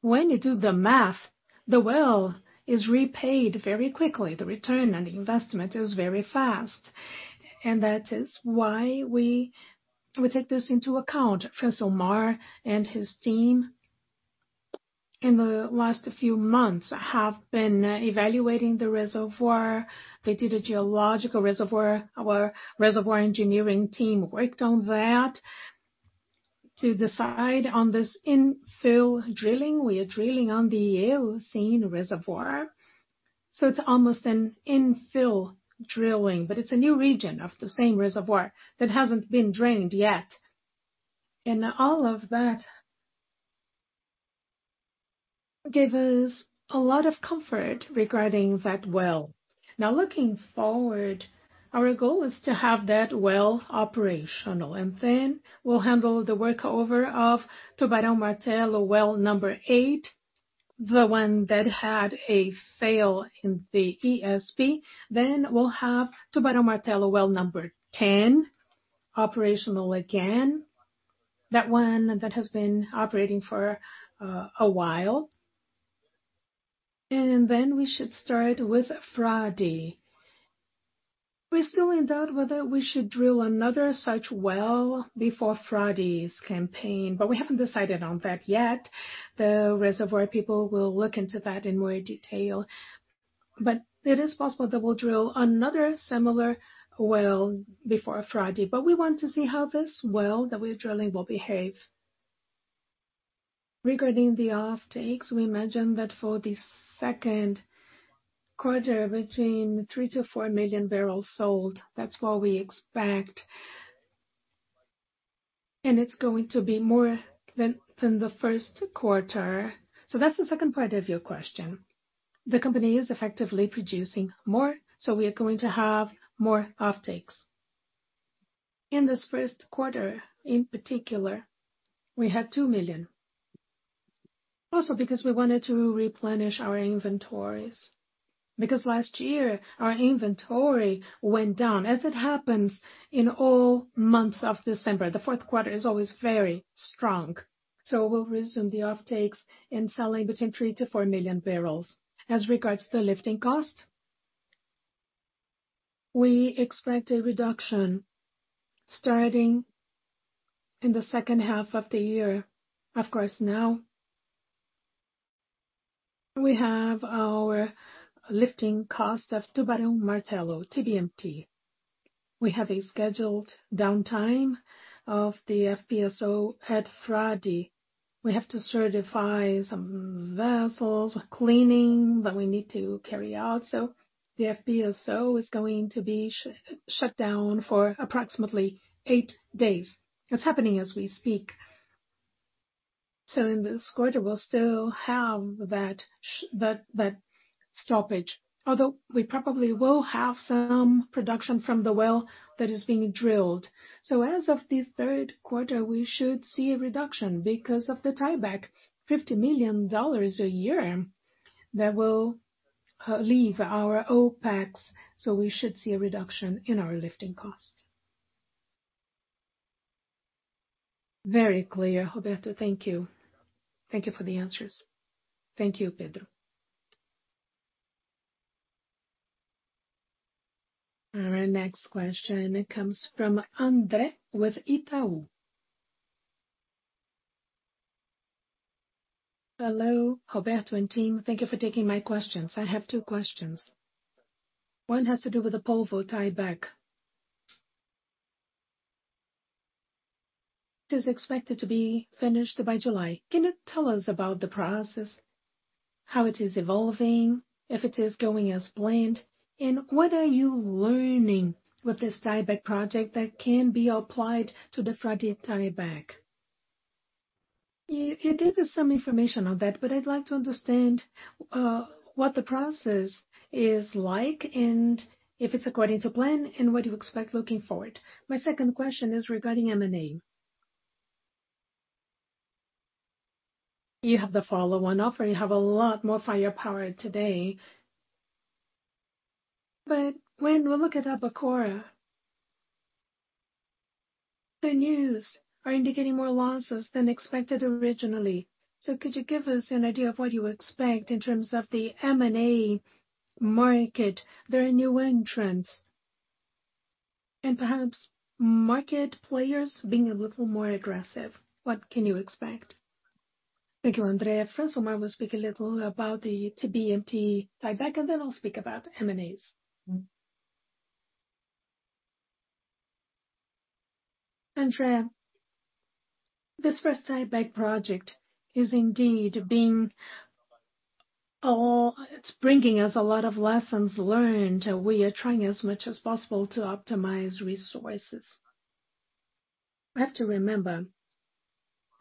When you do the math, the well is repaid very quickly. The return on investment is very fast, and that is why we take this into account. First, Omar and his team in the last few months have been evaluating the reservoir. They did a geological reservoir. Our reservoir engineering team worked on that to decide on this infill drilling. We are drilling on the Eocene reservoir, so it's almost an infill drilling, but it's a new region of the same reservoir that hasn't been drained yet. All of that gave us a lot of comfort regarding that well. Now looking forward, our goal is to have that well operational, then we'll handle the workover of Tubarão Martelo well number eight, the one that had a fail in the ESP. We'll have Tubarão Martelo well number 10 operational again, that one that has been operating for a while. We should start with Frade. We're still in doubt whether we should drill another such well before Frade's campaign, but we haven't decided on that yet. The reservoir people will look into that in more detail. It is possible that we'll drill another similar well before Frade, but we want to see how this well that we're drilling will behave. Regarding the offtakes, we imagine that for the second quarter, between 3 million-4 million barrels sold, that's what we expect. It's going to be more than the first quarter. That's the second part of your question. The company is effectively producing more, so we are going to have more offtakes. In this first quarter, in particular, we had 2 million. Also because we wanted to replenish our inventories. Because last year our inventory went down, as it happens in all months of December. The fourth quarter is always very strong. We'll resume the offtakes and selling between three to four million barrels. As regards to the lifting cost, we expect a reduction starting in the second half of the year. Of course, now we have our lifting cost of Tubarão Martelo, TBMT. We have a scheduled downtime of the FPSO at Frade. We have to certify some vessels for cleaning that we need to carry out. The FPSO is going to be shut down for approximately eight days. It's happening as we speak. In this quarter, we'll still have that stoppage. Although, we probably will have some production from the well that is being drilled. As of the third quarter, we should see a reduction because of the tieback, BRL 50 million a year that will leave our OpEx, so we should see a reduction in our lifting cost. Very clear, Roberto. Thank you. Thank you for the answers. Thank you, Pedro. Our next question comes from Andre with Itaú. Hello, Roberto and team. Thank you for taking my questions. I have two questions. One has to do with the Polvo tieback. It is expected to be finished by July. Can you tell us about the process, how it is evolving, if it is going as planned, and what are you learning with this tieback project that can be applied to the Frade tieback? You gave us some information on that, I'd like to understand what the process is like and if it's according to plan and what you expect looking forward. My second question is regarding M&A. You have the follow-on offer. You have a lot more firepower today. When we look at Albacora, the news are indicating more losses than expected originally. Could you give us an idea of what you expect in terms of the M&A market? There are new entrants, perhaps market players being a little more aggressive. What can you expect? Thank you, Andre. Omar will speak a little about the TBMT tieback, and then I'll speak about M&As. Andre, this first tieback project is indeed bringing us a lot of lessons learned. We are trying as much as possible to optimize resources. We have to remember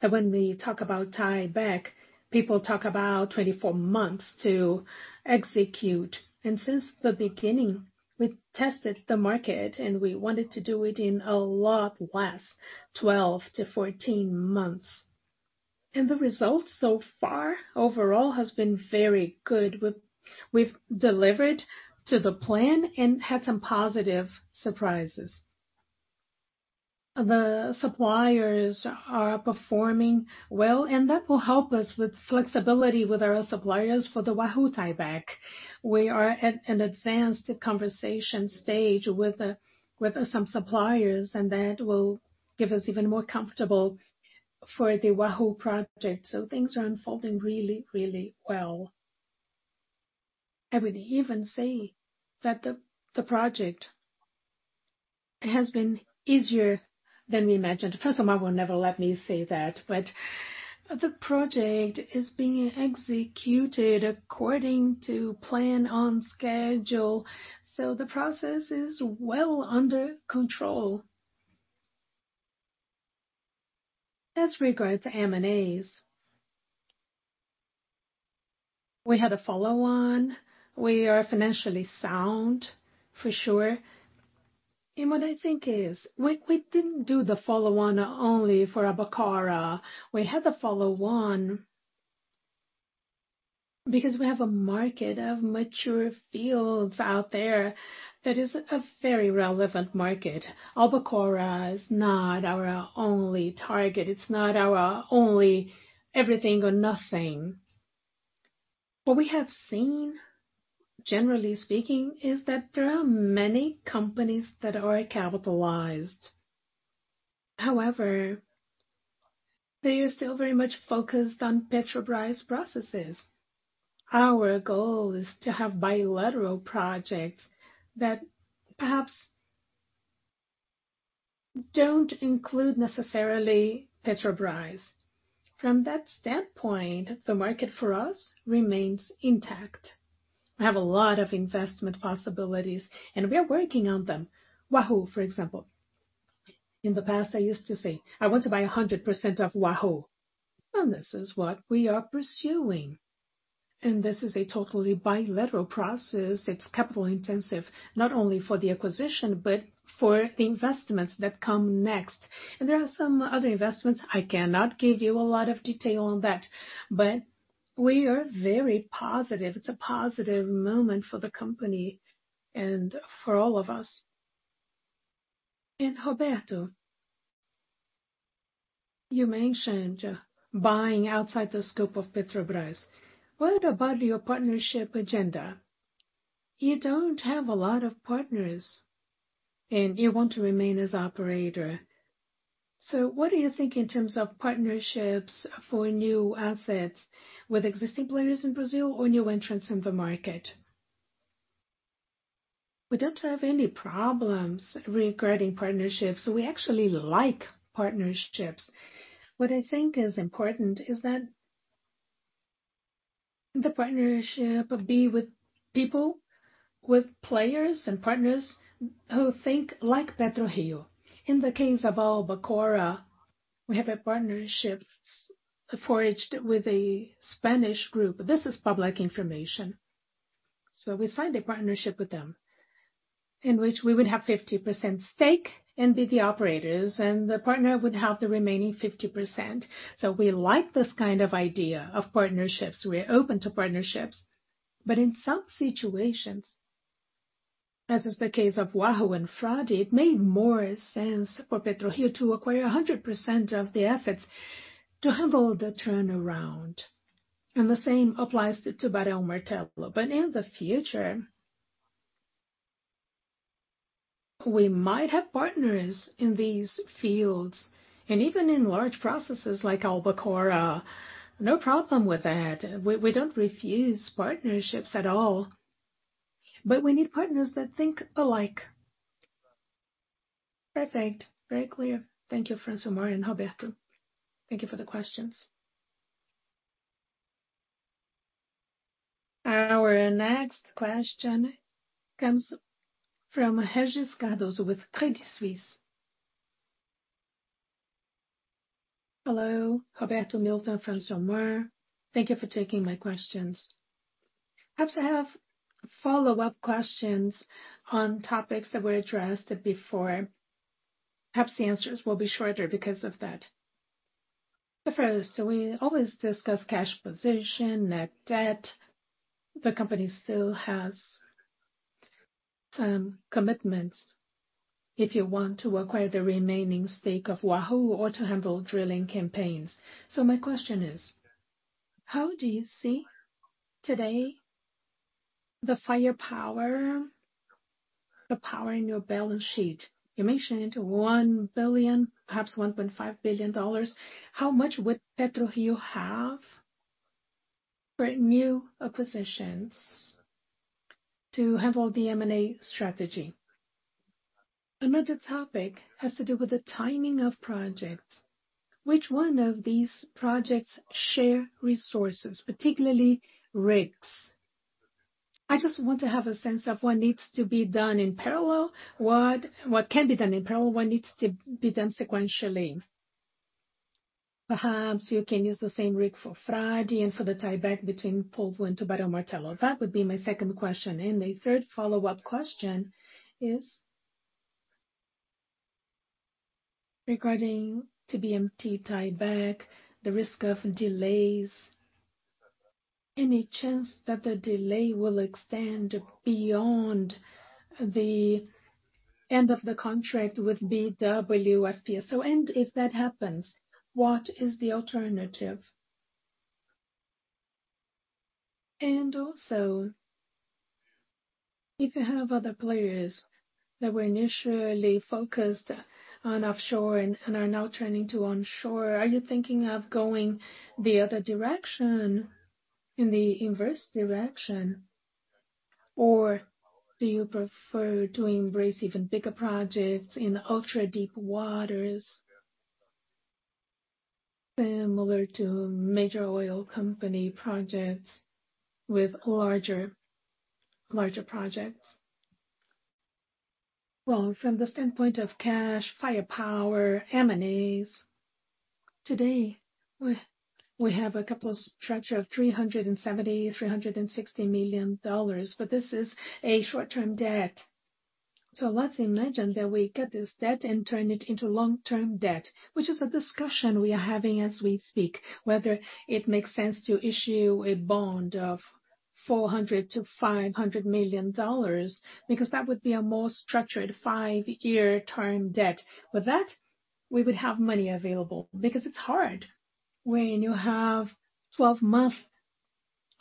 that when we talk about tieback, people talk about 24 months to execute. Since the beginning, we tested the market, and we wanted to do it in a lot less, 12-14 months. The results so far overall has been very good. We've delivered to the plan and had some positive surprises. The suppliers are performing well, that will help us with flexibility with our suppliers for the Wahoo tieback. We are at an advanced conversation stage with some suppliers, that will give us even more comfortable for the Wahoo project. Things are unfolding really, really well. I would even say that the project has been easier than we imagined. Francilmar will never let me say that, the project is being executed according to plan on schedule, the process is well under control. As regards to M&As, we had a follow-on. We are financially sound, for sure. What I think is, we didn't do the follow-on only for Albacora. We had the follow-on because we have a market of mature fields out there that is a very relevant market. Albacora is not our only target. It's not our only everything or nothing. What we have seen, generally speaking, is that there are many companies that are capitalized. They are still very much focused on Petrobras processes. Our goal is to have bilateral projects that perhaps don't include necessarily Petrobras. From that standpoint, the market for us remains intact. We have a lot of investment possibilities, we are working on them. Wahoo, for example. In the past, I used to say, "I want to buy 100% of Wahoo." This is what we are pursuing. This is a totally bilateral process. It's capital intensive, not only for the acquisition, but for the investments that come next. There are some other investments. I cannot give you a lot of detail on that, we are very positive. It's a positive moment for the company and for all of us. Roberto, you mentioned buying outside the scope of Petrobras. What about your partnership agenda? You don't have a lot of partners, and you want to remain as operator. What do you think in terms of partnerships for new assets with existing players in Brazil or new entrants in the market? We don't have any problems regarding partnerships. We actually like partnerships. What I think is important is that the partnership be with people, with players and partners who think like PetroRio. In the case of Albacora, we have a partnership forged with a Spanish group. This is public information. We signed a partnership with them in which we would have 50% stake and be the operators, and the partner would have the remaining 50%. We like this kind of idea of partnerships. We are open to partnerships. In some situations, as is the case of Wahoo and Frade, it made more sense for PetroRio to acquire 100% of the assets to handle the turnaround. The same applies to Tubarão Martelo. In the future, we might have partners in these fields and even in large processes like Albacora. No problem with that. We don't refuse partnerships at all. We need partners that think alike. Perfect. Very clear. Thank you, Francilmar and Roberto Monteiro. Thank you for the questions. Our next question comes from Regis Cardoso with Credit Suisse. Hello, Roberto Monteiro, Milton, Francilmar, thank you for taking my questions. Perhaps I have follow-up questions on topics that were addressed before. Perhaps the answers will be shorter because of that. The first, we always discuss cash position, net debt. The company still has some commitments if you want to acquire the remaining stake of Wahoo or to handle drilling campaigns. My question is, how do you see today the firepower, the power in your balance sheet? You mentioned into 1 billion, perhaps BRL 1.5 billion. How much would PetroRio have for new acquisitions to handle the M&A strategy? Another topic has to do with the timing of projects. Which one of these projects share resources, particularly rigs? I just want to have a sense of what needs to be done in parallel, what can be done in parallel, what needs to be done sequentially. Perhaps you can use the same rig for Frade and for the tieback between Polvo and Tubarão Martelo. That would be my second question. A third follow-up question is regarding TBMT tieback, the risk of delays. Any chance that the delay will extend beyond the end of the contract with BW FPSO? If that happens, what is the alternative? Also, if you have other players that were initially focused on offshore and are now turning to onshore, are you thinking of going the other direction, in the inverse direction? Do you prefer to embrace even bigger projects in ultra-deep waters similar to major oil company projects with larger projects? Well, from the standpoint of cash, firepower, M&As, today, we have a capital structure of $370 million, $360 million, this is a short-term debt. Let's imagine that we get this debt and turn it into long-term debt, which is a discussion we are having as we speak, whether it makes sense to issue a bond of $400 million-$500 million, that would be a more structured five-year term debt. With that, we would have money available because it's hard when you have 12-month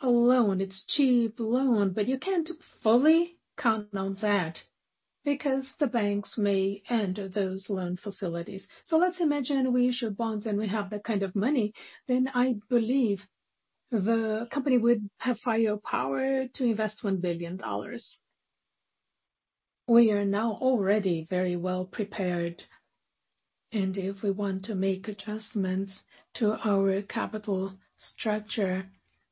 loan. It's cheap loan, you can't fully count on that because the banks may end those loan facilities. Let's imagine we issue bonds and we have that kind of money, I believe the company would have firepower to invest BRL 1 billion. We are now already very well prepared, if we want to make adjustments to our capital structure,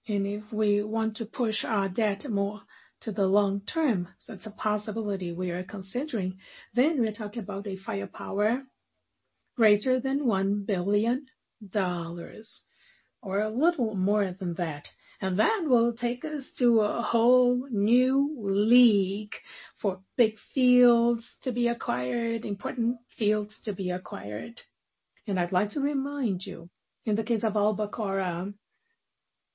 if we want to push our debt more to the long term, it's a possibility we are considering, we're talking about a firepower greater than BRL 1 billion or a little more than that. That will take us to a whole new league for big fields to be acquired, important fields to be acquired. I'd like to remind you, in the case of Albacora,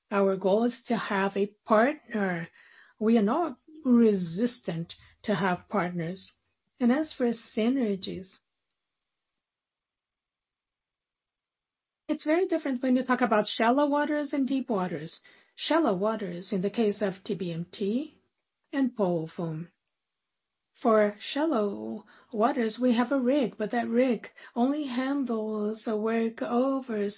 our goal is to have a partner. We are not resistant to have partners. As for synergies, it's very different when you talk about shallow waters and deep waters. Shallow waters in the case of TBMT and Polvo. For shallow waters, we have a rig, but that rig only handles workovers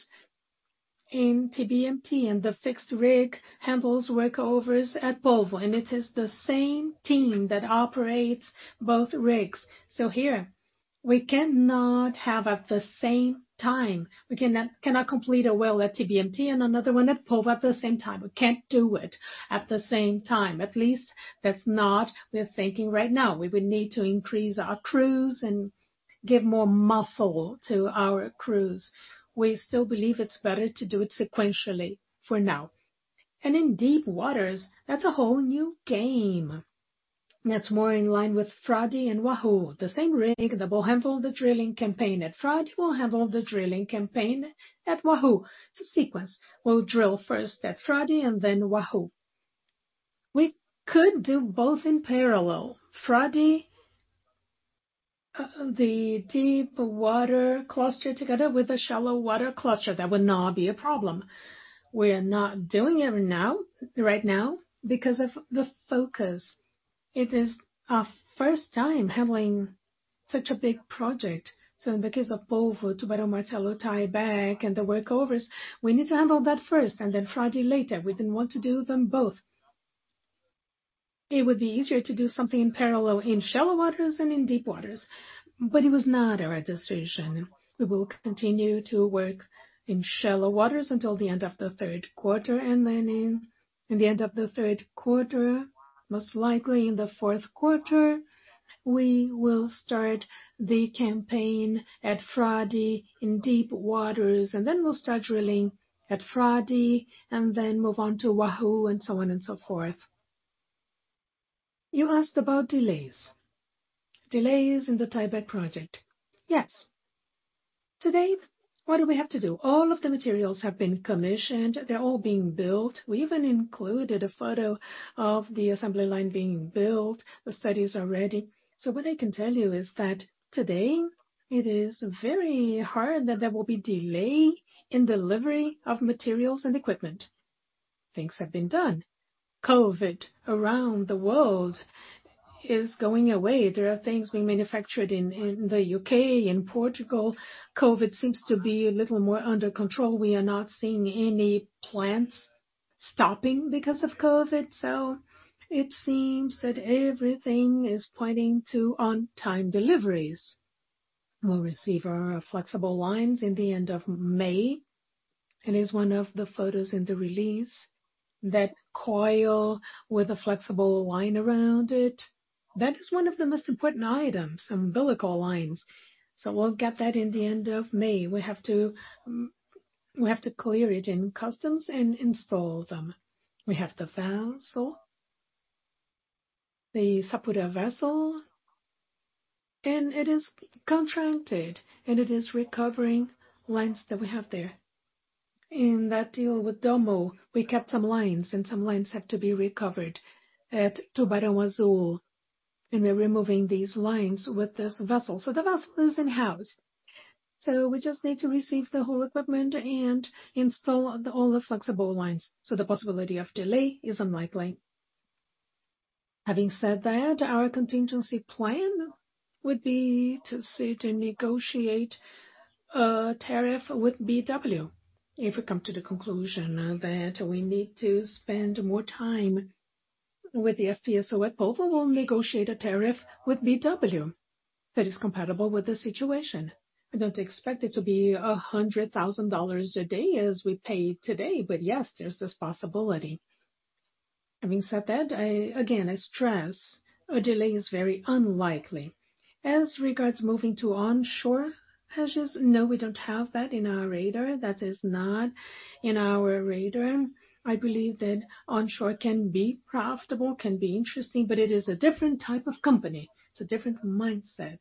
in TBMT, and the fixed rig handles workovers at Polvo, and it is the same team that operates both rigs. Here we cannot have at the same time, we cannot complete a well at TBMT and another one at Polvo at the same time. We can't do it at the same time. At least that's not we're thinking right now. We would need to increase our crews and give more muscle to our crews. We still believe it's better to do it sequentially for now. In deep waters, that's a whole new game. That's more in line with Frade and Wahoo. The same rig that will handle the drilling campaign at Frade will handle the drilling campaign at Wahoo. It's a sequence. We'll drill first at Frade and then Wahoo. We could do both in parallel, Frade-The deep water cluster together with the shallow water cluster, that would not be a problem. We are not doing it right now because of the focus. It is our first time handling such a big project. In the case of Polvo, Tubarão Martelo tieback and the workovers, we need to handle that first and then Frade later. We didn't want to do them both. It would be easier to do something parallel in shallow waters than in deep waters, but it was not our decision. We will continue to work in shallow waters until the end of the third quarter. Then in the end of the third quarter, most likely in the fourth quarter, we will start the campaign at Frade in deep waters. Then we'll start drilling at Frade. Then move on to Wahoo and so on and so forth. You asked about delays. Delays in the tieback project. Yes. Today, what do we have to do? All of the materials have been commissioned. They're all being built. We even included a photo of the assembly line being built. The study is already. What I can tell you is that today it is very hard that there will be delay in delivery of materials and equipment. Things have been done. COVID around the world is going away. There are things being manufactured in the U.K., in Portugal. COVID seems to be a little more under control. We are not seeing any plants stopping because of COVID. It seems that everything is pointing to on-time deliveries. We'll receive our flexible lines in the end of May, and it's one of the photos in the release, that coil with a flexible line around it. That is one of the most important items, umbilical lines. We'll get that in the end of May. We have to clear it in customs and install them. We have the vessel, the Sapura vessel, and it is contracted, and it is recovering lines that we have there. In that deal with Dommo, we kept some lines, and some lines have to be recovered at Tubarão Azul, and we're removing these lines with this vessel. The vessel is in-house. We just need to receive the whole equipment and install all the flexible lines. The possibility of delay is unlikely. Having said that, our contingency plan would be to sit and negotiate a tariff with BW. If we come to the conclusion that we need to spend more time with the FPSO at Polvo, we'll negotiate a tariff with BW that is compatible with the situation. I don't expect it to be $100,000 a day as we pay today, but yes, there's this possibility. Having said that, again, I stress a delay is very unlikely. As regards moving to onshore, Regis, no, we don't have that in our radar. That is not in our radar. I believe that onshore can be profitable, can be interesting, but it is a different type of company. It's a different mindset.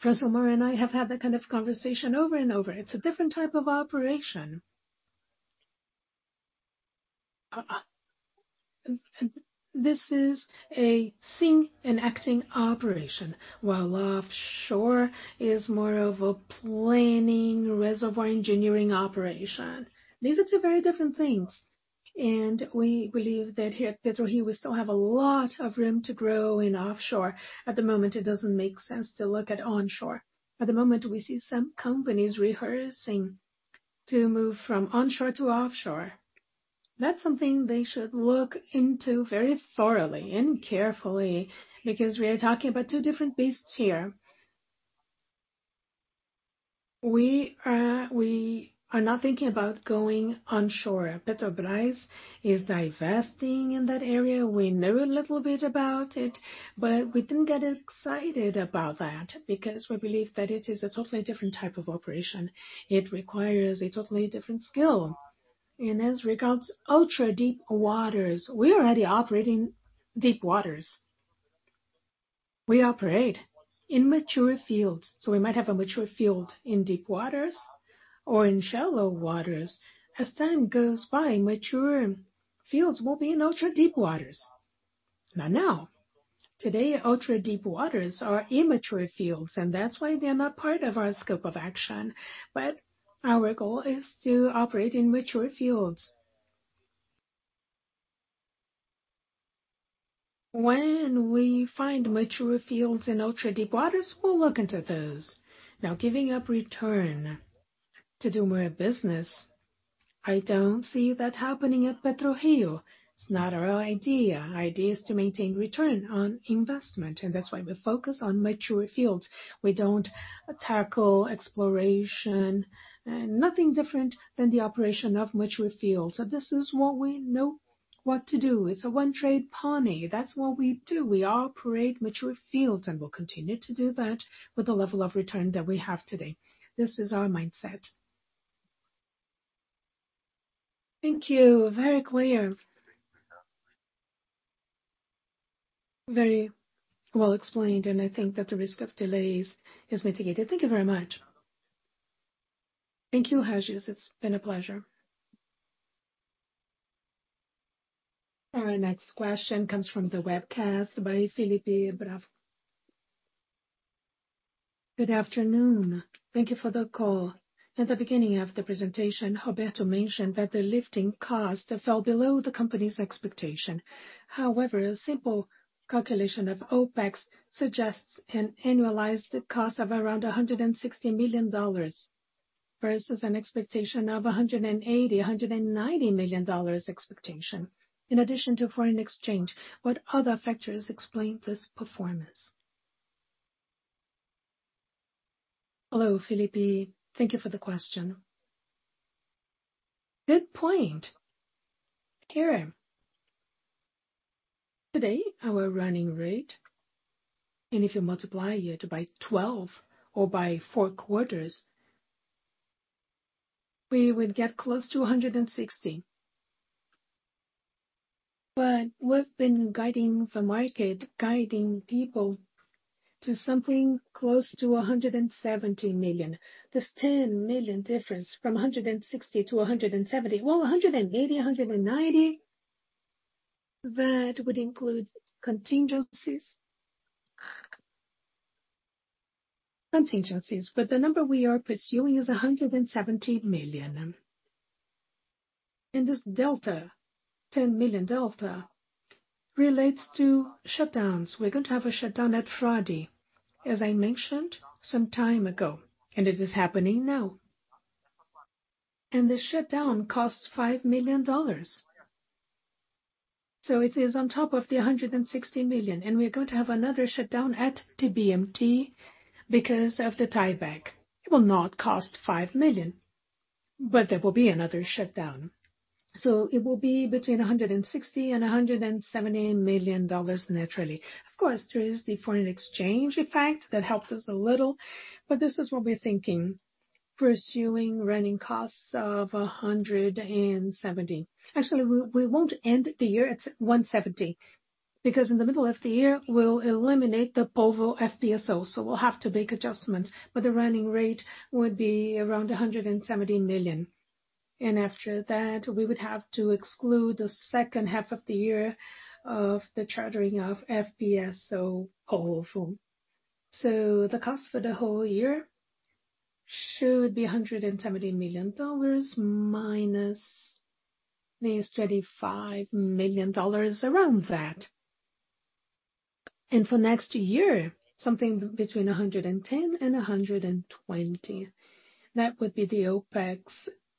Professor Omar and I have had that kind of conversation over and over. It's a different type of operation. This is a seeing and acting operation, while offshore is more of a planning, reservoir engineering operation. These are two very different things, and we believe that here at PetroRio, we still have a lot of room to grow in offshore. At the moment, it doesn't make sense to look at onshore. At the moment, we see some companies rehearsing to move from onshore to offshore. That's something they should look into very thoroughly and carefully because we are talking about two different beasts here. We are not thinking about going onshore. Petrobras is divesting in that area. We know a little bit about it, but we didn't get excited about that because we believe that it is a totally different type of operation. It requires a totally different skill. As regards ultra-deep waters, we are already operating deep waters. We operate in mature fields, so we might have a mature field in deep waters or in shallow waters. As time goes by, mature fields will be in ultra-deep waters. Not now. Today, ultra-deep waters are immature fields, and that's why they are not part of our scope of action. Our goal is to operate in mature fields. When we find mature fields in ultra-deep waters, we'll look into those. Giving up return to do more business, I don't see that happening at PetroRio. It's not our idea. Our idea is to maintain return on investment, and that's why we focus on mature fields. We don't tackle exploration and nothing different than the operation of mature fields. This is what we know what to do. It's a one trade pony. That's what we do. We operate mature fields, and we'll continue to do that with the level of return that we have today. This is our mindset. Thank you. Very clear. Very well explained, and I think that the risk of delays is mitigated. Thank you very much. Thank you, Regis. It's been a pleasure. Our next question comes from the webcast by Philippe Bravo. Good afternoon. Thank you for the call. At the beginning of the presentation, Roberto mentioned that the lifting cost fell below the company's expectation. However, a simple calculation of OpEx suggests an annualized cost of around $160 million, versus an expectation of $180 million, $190 million expectation. In addition to foreign exchange, what other factors explain this performance? Hello, Philippe. Thank you for the question. Good point. Here. Today, our running rate, and if you multiply it by 12 or by four quarters, we would get close to $160 million. We've been guiding the market, guiding people to something close to $170 million. This $10 million difference from $160 million to $170 million. Well, $180 million, $190 million, that would include contingencies. The number we are pursuing is $170 million. This delta, $10 million delta, relates to shutdowns. We're going to have a shutdown at Frade, as I mentioned some time ago, and it is happening now. The shutdown costs $5 million. It is on top of the $160 million, and we're going to have another shutdown at TBMT because of the tieback. It will not cost $5 million, but there will be another shutdown. It will be between $160 million and $170 million naturally. Of course, there is the foreign exchange effect that helped us a little, but this is what we're thinking, pursuing running costs of $170 million. We won't end the year at $170, because in the middle of the year, we'll eliminate the Polvo FPSO, so we'll have to make adjustments, but the running rate would be around $170 million. After that, we would have to exclude the second half of the year of the chartering of FPSO Polvo. The cost for the whole year should be $170 million minus these $25 million around that. For next year, something between $110 and $120. That would be the OpEx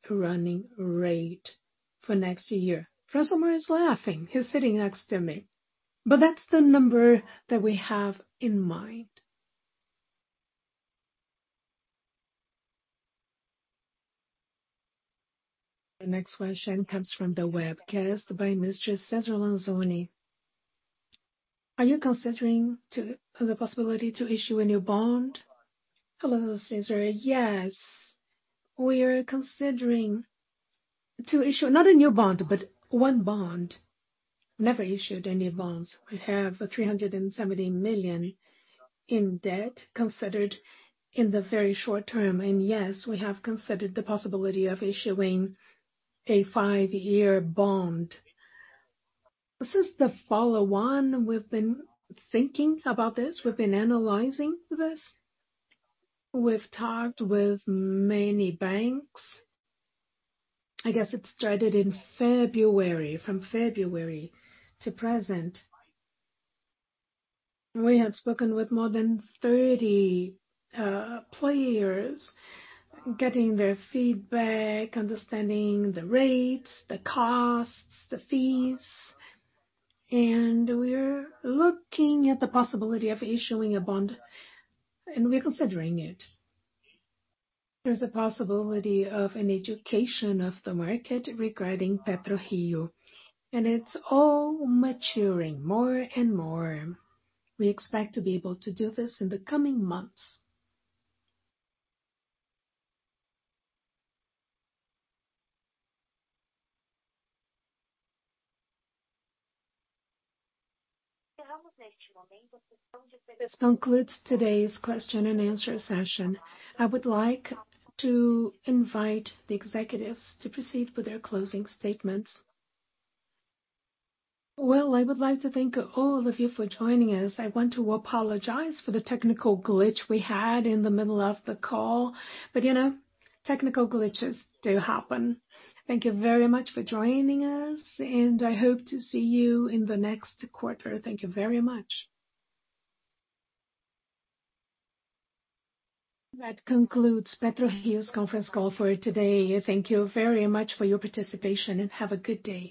running rate for next year. Francisco is laughing. He's sitting next to me. That's the number that we have in mind. The next question comes from the webcast by Ms. Cesar Lanzoni. Are you considering the possibility to issue a new bond? Hello, Cesar. Yes. We are considering to issue not a new bond, but one bond. Never issued any bonds. We have 370 million in debt considered in the very short term. Yes, we have considered the possibility of issuing a five-year bond. This is the follow on. We've been thinking about this. We've been analyzing this. We've talked with many banks. I guess it started in February, from February to present. We have spoken with more than 30 players, getting their feedback, understanding the rates, the costs, the fees, and we're looking at the possibility of issuing a bond, and we are considering it. There's a possibility of an education of the market regarding PetroRio, and it's all maturing more and more. We expect to be able to do this in the coming months. This concludes today's question and answer session. I would like to invite the executives to proceed with their closing statements. Well, I would like to thank all of you for joining us. I want to apologize for the technical glitch we had in the middle of the call. Technical glitches do happen. Thank you very much for joining us, and I hope to see you in the next quarter. Thank you very much. That concludes PetroRio's conference call for today. Thank you very much for your participation, and have a good day.